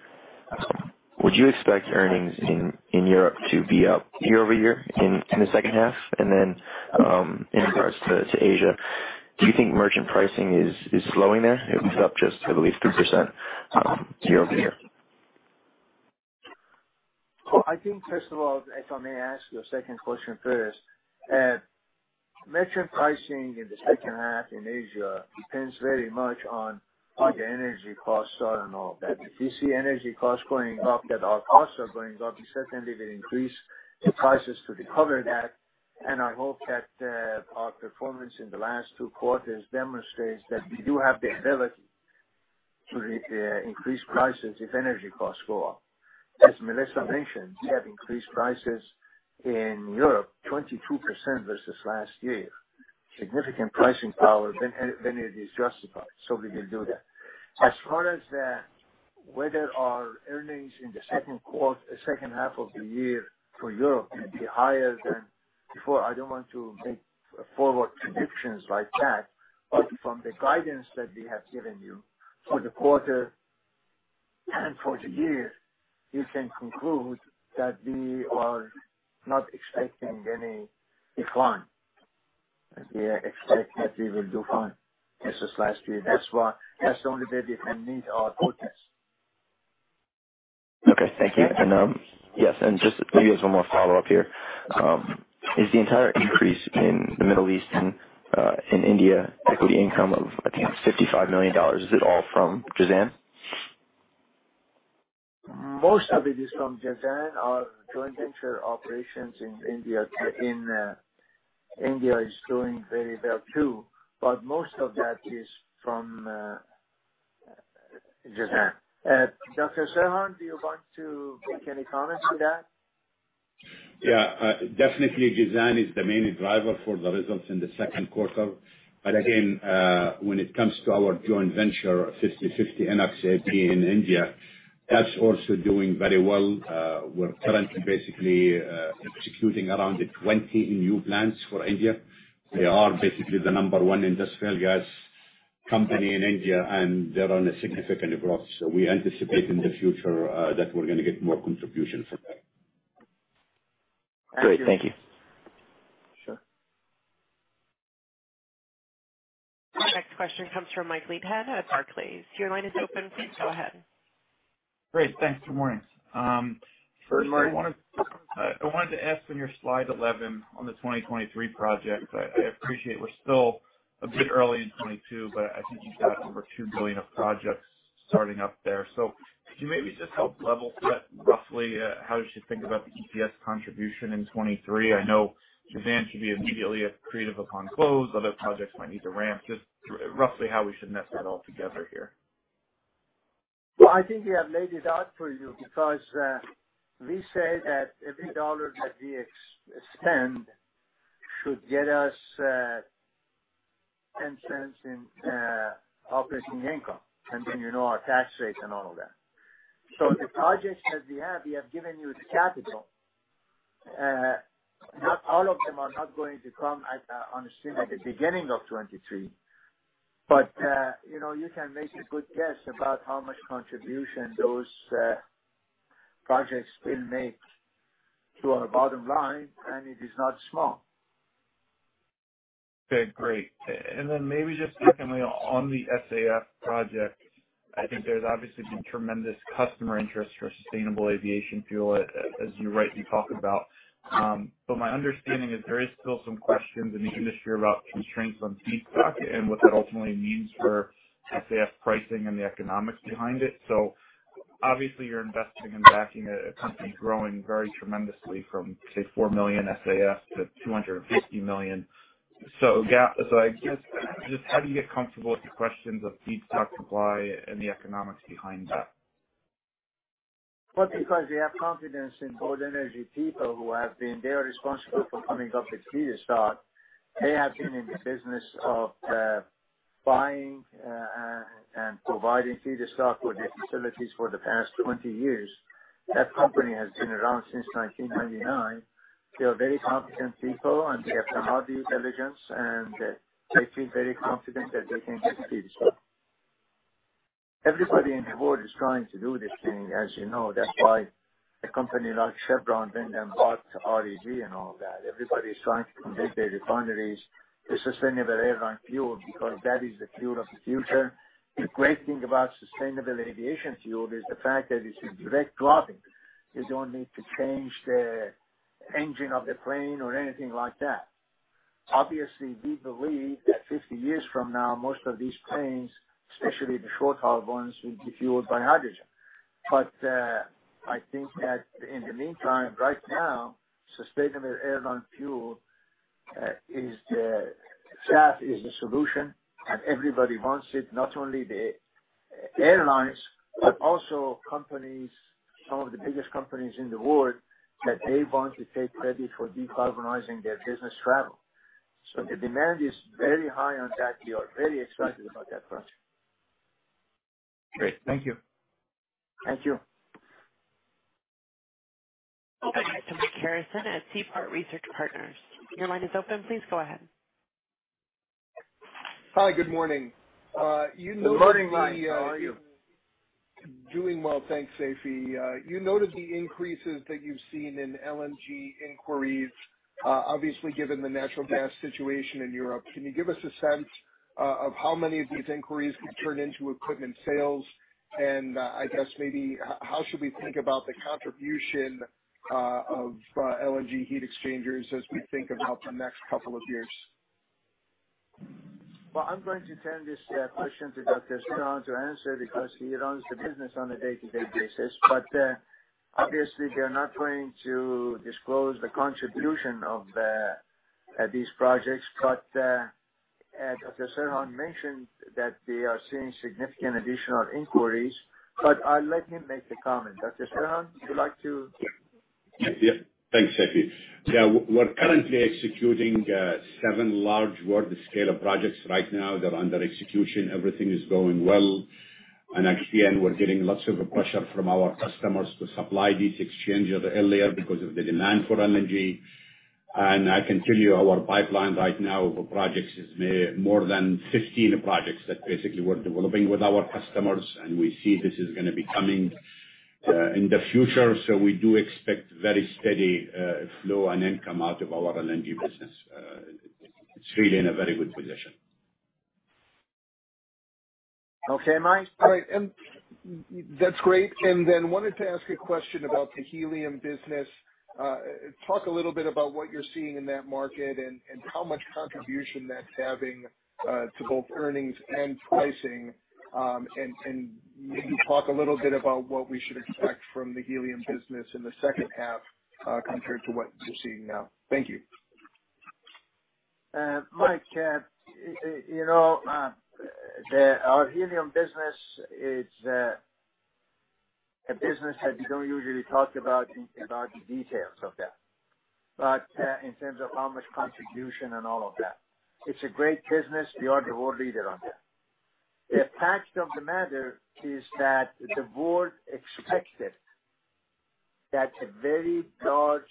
S8: Would you expect earnings in Europe to be up year-over-year in the H2? Then, in regards to Asia, do you think merchant pricing is slowing there? It was up just, I believe, 2%, year-over-year.
S3: I think first of all, if I may ask your second question first, merchant pricing in the H2 in Asia depends very much on how the energy costs are and all that. If we see energy costs going up, then our costs are going up. We certainly will increase the prices to recover that. I hope that our performance in the last two quarters demonstrates that we do have the ability to increase prices if energy costs go up. As Melissa mentioned, we have increased prices in Europe 22% versus last year. Significant pricing power when it is justified, so we will do that. As far as whether our earnings in the H2 of the year for Europe may be higher than before, I don't want to make forward predictions like that. From the guidance that we have given you for the quarter and for the year, you can conclude that we are not expecting any decline. We expect that we will do fine versus last year. That's why that's the only way we can meet our targets.
S8: Okay. Thank you. Yes, and just maybe as one more follow-up here. Is the entire increase in the Middle East and in India equity income of, I think, $55 million, all from Jazan?
S3: Most of it is from Jazan. Our joint venture operations in India is doing very well too, but most of that is from Jazan. Dr. Serhan, do you want to make any comments to that?
S5: Yeah. Definitely Jazan is the main driver for the results in the Q2. Again, when it comes to our joint venture, 50/50 INOX AP in India, that's also doing very well. We're currently basically executing around 20 new plants for India. We are basically the number one industrial gas company in India, and they're on a significant growth. We anticipate in the future that we're gonna get more contribution from there.
S8: Great. Thank you.
S3: Sure.
S1: Our next question comes from Mike Leithead at Barclays. Your line is open. Please go ahead.
S9: Great. Thanks. Good morning. First I wanted to ask on your slide 11 on the 2023 projects. I appreciate we're still a bit early in 2022, but I think you've got over $2 billion of projects starting up there. Could you maybe just help level-set roughly how we should think about the EPS contribution in 2023? I know Jazan should be immediately accretive upon close. Other projects might need to ramp. Just roughly how we should net that all together here.
S3: Well, I think we have laid it out for you because we said that every dollar that we expend should get us $0.1 In operating income, and then you know our tax rates and all of that. The projects that we have, we have given you the capital. Not all of them are not going to come on stream at the beginning of 2023. You know, you can make a good guess about how much contribution those projects will make to our bottom line, and it is not small.
S9: Okay. Great. Maybe just secondly, on the SAF project, I think there's obviously been tremendous customer interest for sustainable aviation fuel, as you rightly talk about. My understanding is there is still some questions in the industry about constraints on feedstock and what that ultimately means for SAF pricing and the economics behind it. Obviously you're investing and backing a company growing very tremendously from, say, 4 million SAF to 250 million. Yeah, so I guess just how do you get comfortable with the questions of feedstock supply and the economics behind that?
S3: Well, because we have confidence in World Energy people who have been. They are responsible for coming up with feedstock. They have been in the business of buying and providing feedstock for their facilities for the past 20 years. That company has been around since 1999. They are very competent people, and they have the high intelligence, and they feel very confident that they can get feedstock. Everybody in the world is trying to do this thing, as you know. That's why a company like Chevron bought REG and all that. Everybody is trying to convert their refineries to sustainable aviation fuel because that is the fuel of the future. The great thing about sustainable aviation fuel is the fact that it's a direct drop-in. You don't need to change the engine of the plane or anything like that. Obviously, we believe that 50 years from now, most of these planes, especially the short-haul ones, will be fueled by hydrogen. I think that in the meantime, right now, sustainable aviation fuel, SAF, is the solution, and everybody wants it, not only the airlines, but also companies, some of the biggest companies in the world, that they want to take credit for decarbonizing their business travel. The demand is very high on that. We are very excited about that project.
S10: Great. Thank you.
S3: Thank you.
S1: We'll go next to Mike Harrison at Seaport Research Partners. Your line is open. Please go ahead.
S10: Hi. Good morning. You noted the,
S3: Good morning, Mike. How are you?
S10: Doing well. Thanks, Seifi. You noted the increases that you've seen in LNG inquiries, obviously given the natural gas situation in Europe. Can you give us a sense of how many of these inquiries could turn into equipment sales? I guess maybe how should we think about the contribution of LNG heat exchangers as we think about the next couple of years?
S3: Well, I'm going to turn this question to Dr. Serhan to answer because he runs the business on a day-to-day basis. Obviously, we are not going to disclose the contribution of these projects. As Dr. Serhan mentioned, that we are seeing significant additional inquiries. I'll let him make the comment. Dr. Serhan, would you like to?
S5: Yes. Thanks, Seifi. Yeah. We're currently executing seven large world-scale projects right now. They're under execution. Everything is going well. Actually, we're getting lots of pressure from our customers to supply these exchangers earlier because of the demand for LNG. I can tell you our pipeline right now of projects is more than 15 projects that basically we're developing with our customers, and we see this is gonna be coming in the future. We do expect very steady flow and income out of our LNG business. It's really in a very good position.
S3: Okay, Mike.
S10: All right. That's great. Wanted to ask a question about the helium business. Talk a little bit about what you're seeing in that market and how much contribution that's having to both earnings and pricing. Maybe talk a little bit about what we should expect from the helium business in the H2 compared to what you're seeing now. Thank you.
S3: Mike, you know, our helium business is a business that we don't usually talk about in about the details of that, but in terms of how much contribution and all of that, it's a great business. We are the world leader on that. The fact of the matter is that the world expected that a very large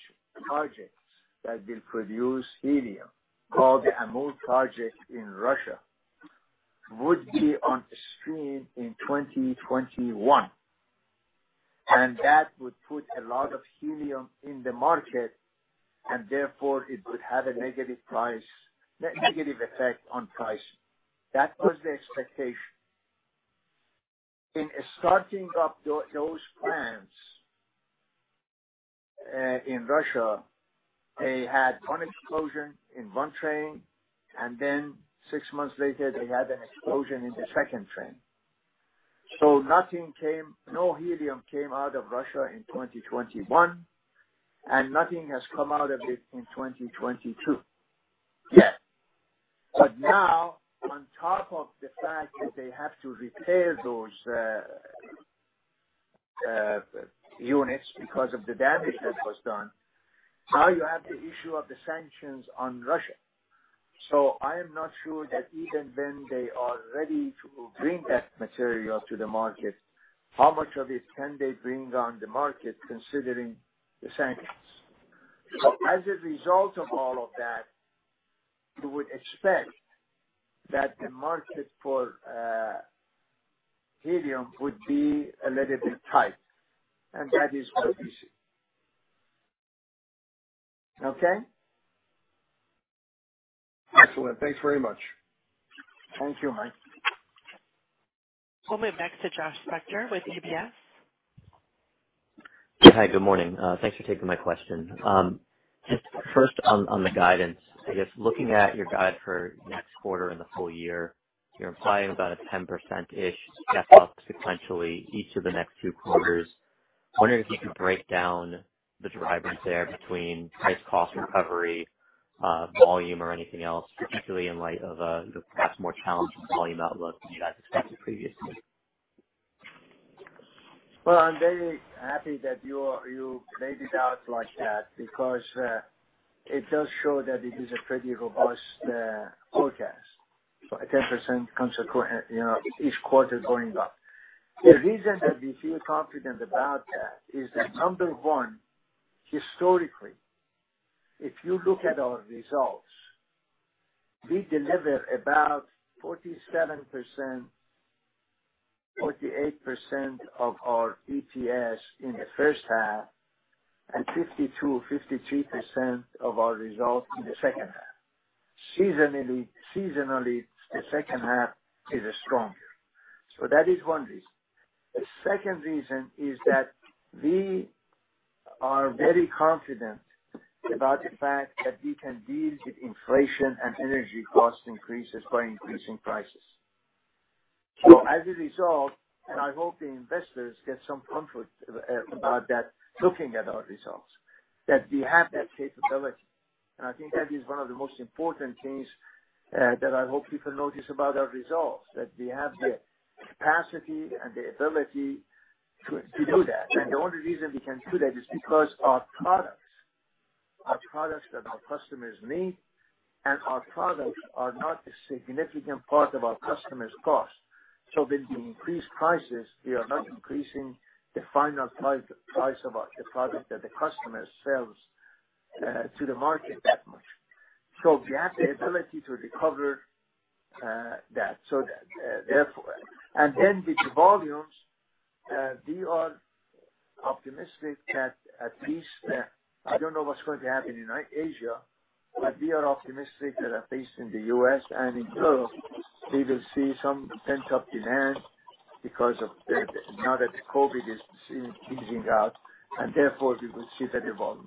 S3: project that will produce helium, called the Amur project in Russia, would be on stream in 2021, and that would put a lot of helium in the market, and therefore it would have a negative effect on pricing. That was the expectation. In starting up those plants in Russia, they had one explosion in one train, and then six months later, they had an explosion in the second train. No helium came out of Russia in 2021, and nothing has come out of it in 2022 yet. Now, on top of the fact that they have to repair those units because of the damage that was done, now you have the issue of the sanctions on Russia. I am not sure that even when they are ready to bring that material to the market, how much of it can they bring on the market considering the sanctions. As a result of all of that, you would expect that the market for helium would be a little bit tight, and that is what we see. Okay?
S10: Excellent. Thanks very much.
S3: Thank you, Mike.
S1: We'll move back to Joshua Spector with UBS.
S11: Hi. Good morning. Thanks for taking my question. Just first on the guidance. I guess looking at your guide for next quarter and the full year, you're implying about a 10%-ish step up sequentially each of the next two quarters. I'm wondering if you can break down the drivers there between price/cost recovery, volume or anything else, particularly in light of the perhaps more challenging volume outlook that you guys expected previously.
S3: Well, I'm very happy that you laid it out like that because it does show that it is a pretty robust forecast. A 10% consecutive—you know, each quarter going up. The reason that we feel confident about that is that, number one, historically, if you look at our results, we deliver about 47%-48% of our EPS in the H1 and 52%-53% of our results in the H2. Seasonally, the H2 is stronger. That is one reason. The second reason is that we are very confident about the fact that we can deal with inflation and energy cost increases by increasing prices. As a result, and I hope the investors get some comfort about that looking at our results, that we have that capability. I think that is one of the most important things that I hope people notice about our results, that we have the capacity and the ability to do that. The only reason we can do that is because our products that our customers need are not a significant part of our customers' cost. So when we increase prices, we are not increasing the final price of the product that the customer sells to the market that much. So we have the ability to recover that. Therefore. With the volumes, we are optimistic that at least I don't know what's going to happen in Asia, but we are optimistic that at least in the U.S. and in Europe, we will see some pent-up demand because of the. Now that the COVID is easing out, and therefore we will see that in volume.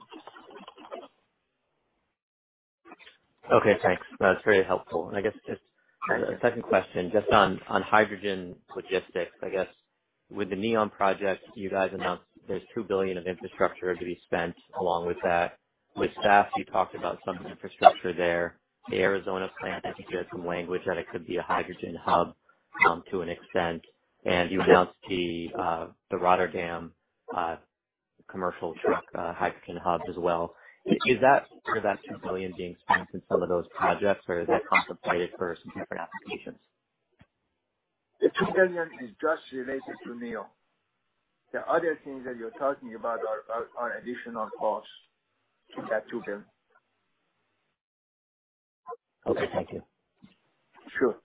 S11: Okay, thanks. That's very helpful. I guess just a second question just on hydrogen logistics. I guess with the NEOM project, you guys announced there's $2 billion of infrastructure to be spent along with that. With SAF, you talked about some infrastructure there. The Arizona plant, I think you heard some language that it could be a hydrogen hub to an extent. You announced the Rotterdam commercial truck hydrogen hub as well. Is that $2 billion being spent in some of those projects, or is that contemplated for some different applications?
S3: The $2 billion is just related to NEOM. The other things that you're talking about are additional costs to that $2 billion.
S11: Okay, thank you.
S3: Sure.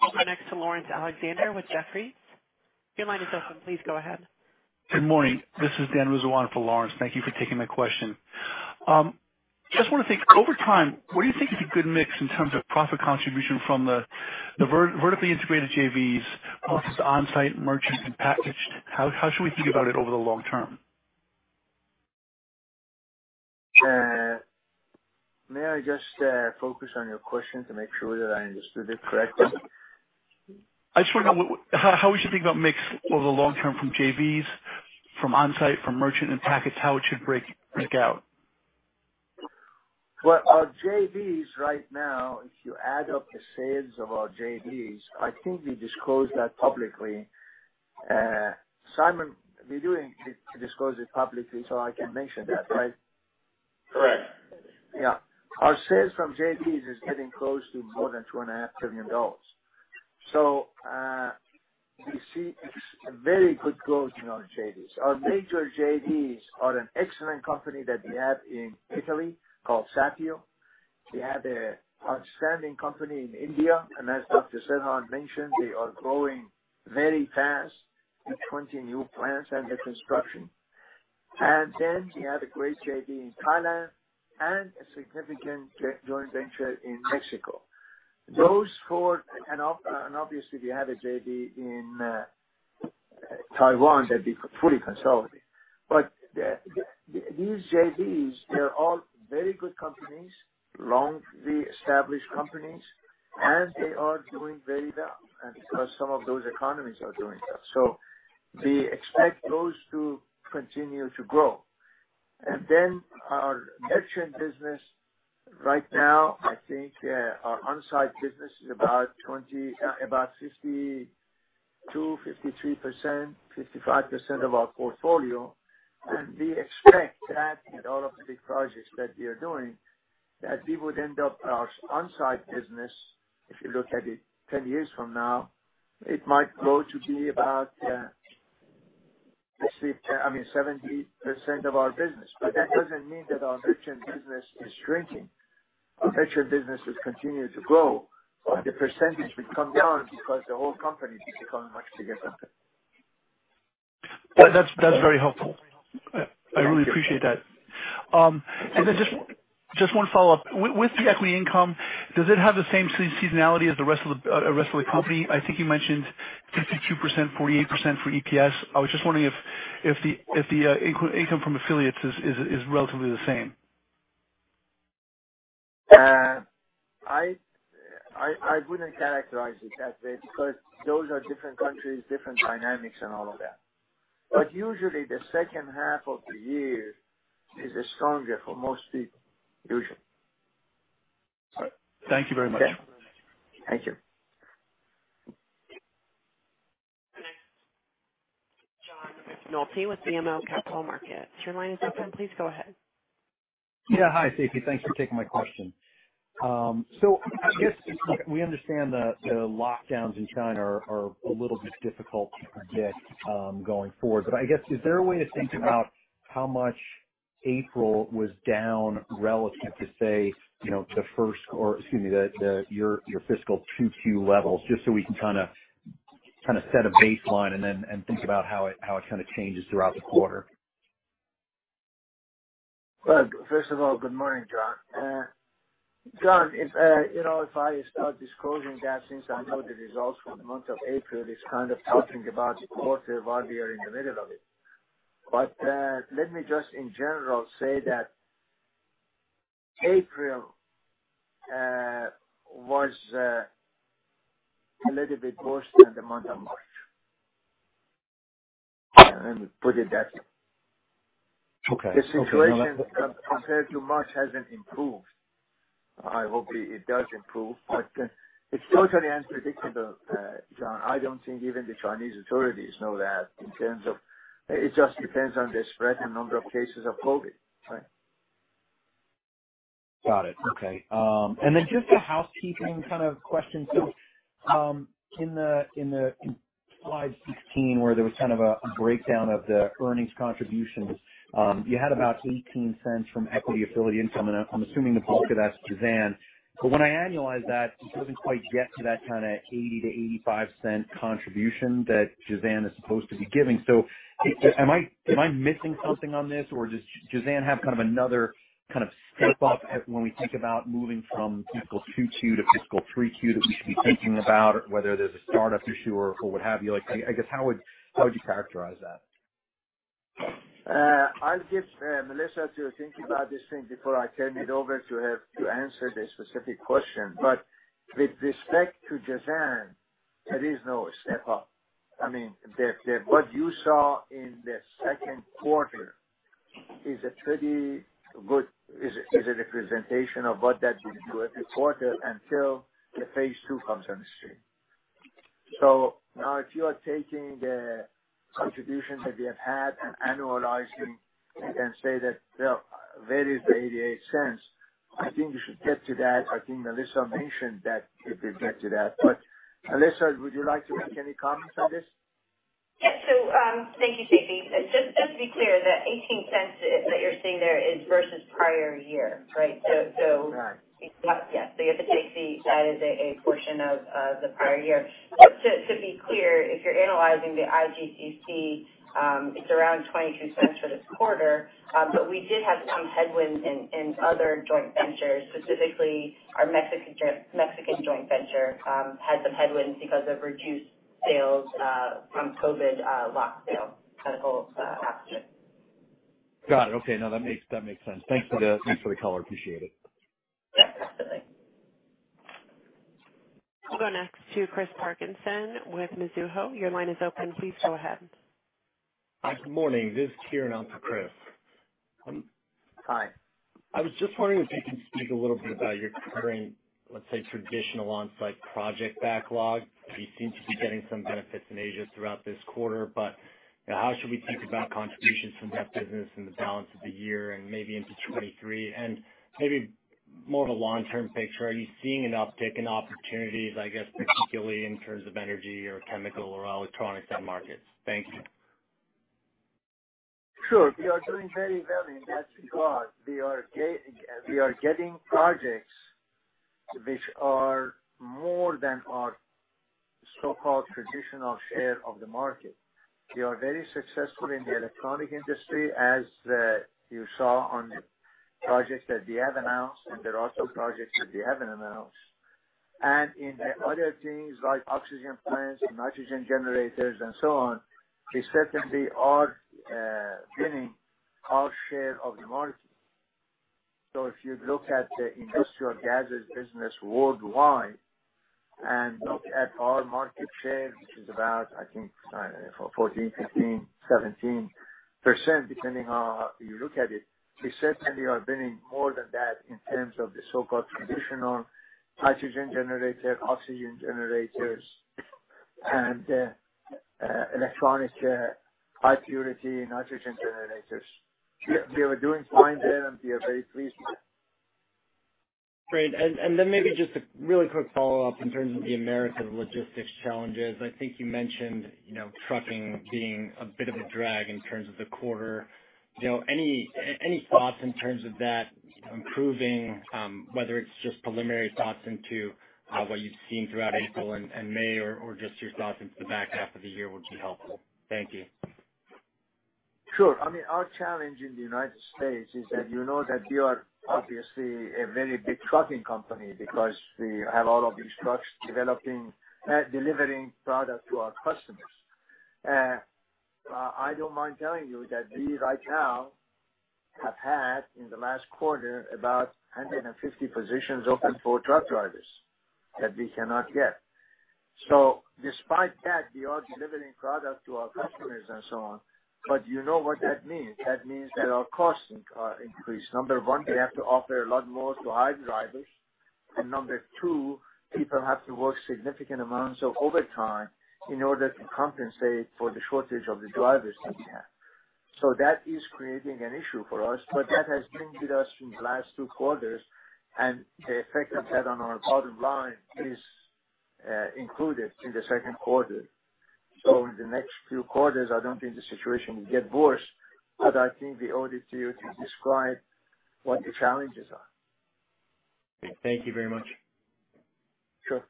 S1: We'll go next to Laurence Alexander with Jefferies. Your line is open. Please go ahead.
S12: Good morning. This is Dan Rizzo for Laurence. Thank you for taking my question. Just want to think over time, what do you think is a good mix in terms of profit contribution from the vertically integrated JVs versus onsite merchant and packaged? How should we think about it over the long term?
S3: May I just focus on your question to make sure that I understood it correctly?
S12: I just wonder how we should think about mix over the long term from JVs, from onsite, from merchant, and packaged, how it should break out.
S3: Well, our JVs right now, if you add up the sales of our JVs, I think we disclose that publicly. Siddhartha, we do disclose it publicly, so I can mention that, right?
S2: Correct.
S3: Yeah. Our sales from JVs is getting close to more than $2.5 billion. We see a very good growth in our JVs. Our major JVs are an excellent company that we have in Italy called Sapio. We have an outstanding company in India, and as Dr. Serhan mentioned, they are growing very fast with 20 new plants under construction. We have a great JV in Thailand and a significant joint venture in Mexico. Those four. Obviously we have a JV in Taiwan that we fully consolidate. These JVs, they're all very good companies, long established companies, and they are doing very well. Because some of those economies are doing well. We expect those to continue to grow. Our merchant business right now, I think, our on-site business is about 62%, 53%, 55% of our portfolio. We expect that with all of the projects that we are doing, that we would end up our on-site business, if you look at it 10 years from now, it might grow to be about, I mean 70% of our business. That doesn't mean that our merchant business is shrinking. Our merchant business has continued to grow. The percentage will come down because the whole company becomes much bigger company.
S12: That's very helpful. I really appreciate that. Just one follow-up. With the equity income, does it have the same seasonality as the rest of the company? I think you mentioned 52%, 48% for EPS. I was just wondering if the income from affiliates is relatively the same.
S3: I wouldn't characterize it that way because those are different countries, different dynamics and all of that. Usually the H2 of the year is stronger for most people, usually.
S12: All right. Thank you very much.
S3: Yeah. Thank you.
S1: Next. John McNulty with BMO Capital Markets. Your line is open. Please go ahead.
S13: Yeah. Hi, Seifi. Thanks for taking my question. I guess we understand the lockdowns in China are a little bit difficult to predict going forward. I guess, is there a way to think about how much April was down relative to, say, you know, your fiscal 2Q levels, just so we can kind of set a baseline and then think about how it kind of changes throughout the quarter?
S3: Well, first of all, good morning, John. If, you know, if I start disclosing that since I know the results for the month of April is kind of talking about a quarter while we are in the middle of it. Let me just in general say that April was a little bit worse than the month of March. Let me put it that way.
S13: Okay.
S3: The situation compared to March hasn't improved. I hope it does improve, but it's totally unpredictable, John. I don't think even the Chinese authorities know that. It just depends on the spread and number of cases of COVID, right?
S13: Got it. Okay. Then just a housekeeping kind of question. In the slide 16, where there was kind of a breakdown of the earnings contributions, you had about $0.18 from equity affiliate income. I'm assuming the bulk of that's Jazan. When I annualize that, it doesn't quite get to that kind of $0.80-$0.85 contribution that Jazan is supposed to be giving. Am I missing something on this, or does Jazan have kind of another kind of step up when we think about moving from fiscal 2022 to fiscal 2023 that we should be thinking about whether there's a startup issue or what have you? Like, I guess how would you characterize that?
S3: I'll get Melissa to think about this thing before I turn it over to her to answer the specific question. With respect to Jazan, there is no step up. I mean, the what you saw in the Q2 is a pretty good representation of what that would do every quarter until the phase two comes on the stream. Now if you are taking the contribution that we have had and annualizing and say that, well, where is the $0.88? I think you should get to that. I think Melissa mentioned that if we get to that. Melissa, would you like to make any comments on this?
S4: Yeah. Thank you, Seifi. Just to be clear, the $0.18 that you're seeing there is versus prior year, right?
S3: Correct.
S4: You have to take as a portion of the prior year. To be clear, if you're analyzing the IGCC, it's around $0.22 for this quarter. We did have some headwinds in other joint ventures. Specifically our Mexican joint venture had some headwinds because of reduced sales from COVID, LOX sales, medical oxygen.
S13: Got it. Okay. No, that makes sense. Thanks for the color. Appreciate it.
S3: Yeah, absolutely.
S1: We'll go next to Chris Parkinson with Mizuho. Your line is open. Please go ahead.
S14: Hi. Good morning. This is Kieran on for Chris.
S3: Hi.
S14: I was just wondering if you can speak a little bit about your current, let's say, traditional on-site project backlog. You seem to be getting some benefits in Asia throughout this quarter, but how should we think about contributions from that business in the balance of the year and maybe into 2023? Maybe more of a long-term picture, are you seeing an uptick in opportunities, I guess, particularly in terms of energy or chemical or electronics end markets? Thank you.
S3: Sure. We are doing very well in that regard. We are getting projects which are more than our so-called traditional share of the market. We are very successful in the electronic industry, as you saw on the projects that we have announced, and there are also projects that we haven't announced. In the other things like oxygen plants, nitrogen generators and so on, we certainly are getting our share of the market. If you look at the industrial gases business worldwide and look at our market share, which is about, I think, 14%, 15%, 17%, depending on how you look at it, we certainly are bringing more than that in terms of the so-called traditional hydrogen generator, oxygen generators and electronics, high purity nitrogen generators. We are doing fine there, and we are very pleased with it.
S14: Great. Then maybe just a really quick follow-up in terms of the American logistics challenges. I think you mentioned, you know, trucking being a bit of a drag in terms of the quarter. You know, any thoughts in terms of that improving, whether it's just preliminary thoughts into what you've seen throughout April and May or just your thoughts into the back half of the year would be helpful. Thank you.
S3: Sure. I mean, our challenge in the United States is that you know that we are obviously a very big trucking company because we have a lot of these trucks delivering product to our customers. I don't mind telling you that we right now have had, in the last quarter, about 150 positions open for truck drivers that we cannot get. Despite that, we are delivering product to our customers and so on. You know what that means. That means that our costs are increased. Number one, we have to offer a lot more to hire drivers. Number two, people have to work significant amounts of overtime in order to compensate for the shortage of the drivers that we have. That is creating an issue for us. That has been with us in the last two quarters, and the effect that had on our bottom line is, included in the Q2. In the next few quarters, I don't think the situation will get worse, but I think we owe it to you to describe what the challenges are.
S14: Thank you very much.
S3: Sure.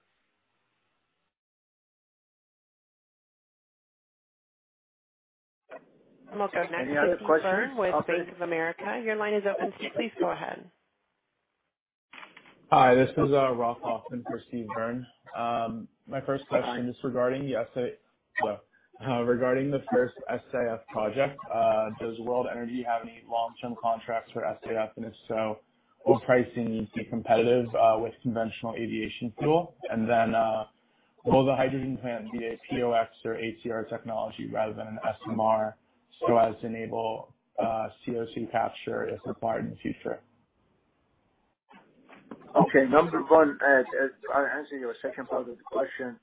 S1: We'll go next to Steve Byrne with Bank of America. Your line is open. Please go ahead.
S15: Hi, this is Ralph Hoffman for Steve Byrne. My first question is regarding the first SAF project. Does World Energy have any long-term contracts for SAF? If so, will pricing be competitive with conventional aviation fuel? Then, will the hydrogen plant be a POX or ATR technology rather than an SMR so as to enable CO2 capture if required in the future?
S3: Number one, as I answer your second part of the question,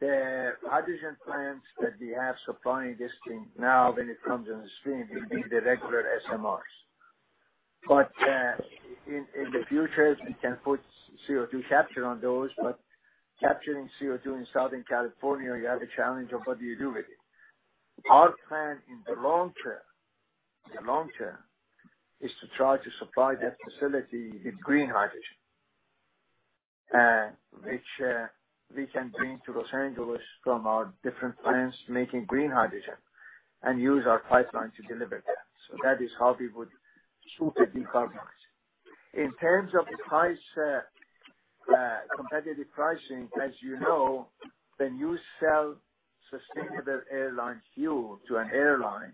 S3: the hydrogen plants that we have supplying this thing now, when it comes in the stream, will be the regular SMRs. In the future, we can put CO2 capture on those. Capturing CO2 in Southern California, you have a challenge of what do you do with it. Our plan in the long term is to try to supply that facility with green hydrogen, which we can bring to Los Angeles from our different plants making green hydrogen and use our pipeline to deliver that. That is how we would shoot for the decarbonization. In terms of price, competitive pricing, as you know, when you sell sustainable aviation fuel to an airline,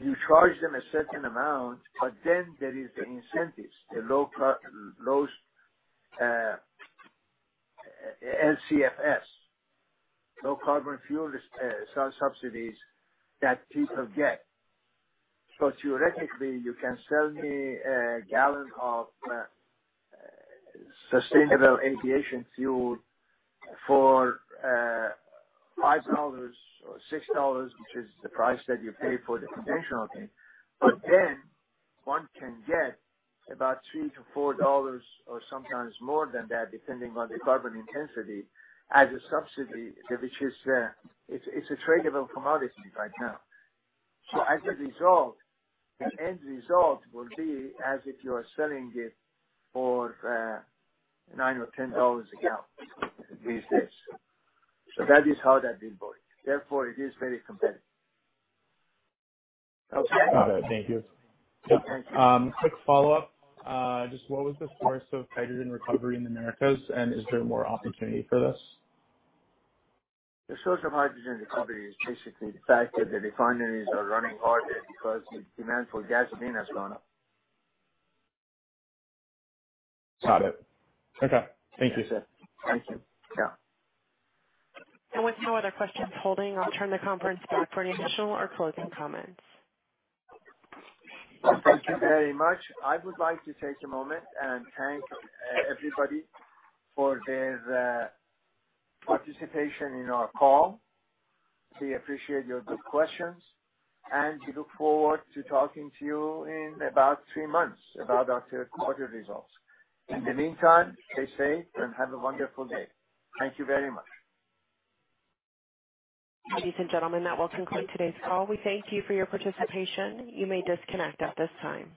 S3: you charge them a certain amount, but then there is the incentives, the LCFS, low carbon fuel subsidies that people get. Theoretically, you can sell me a gallon of sustainable aviation fuel for $5 or $6, which is the price that you pay for the conventional thing. But then one can get about $3-$4 or sometimes more than that, depending on the carbon intensity, as a subsidy, which is a tradable commodity right now. As a result, the end result will be as if you are selling it for $9 or $10 a gallon these days. That is how that bill goes. Therefore, it is very competitive. Okay?
S15: Got it. Thank you.
S3: Yeah. Thank you.
S16: Quick follow-up. Just what was the source of hydrogen recovery in the Americas, and is there more opportunity for this?
S3: The source of hydrogen recovery is basically the fact that the refineries are running harder because the demand for gasoline has gone up.
S15: Got it. Okay. Thank you, sir.
S3: Thank you. Yeah.
S1: With no other questions holding, I'll turn the conference back for any additional or closing comments.
S3: Thank you very much. I would like to take a moment and thank everybody for their participation in our call. We appreciate your good questions, and we look forward to talking to you in about three months about our Q3 results. In the meantime, stay safe and have a wonderful day. Thank you very much.
S1: Ladies and gentlemen, that will conclude today's call. We thank you for your participation. You may disconnect at this time.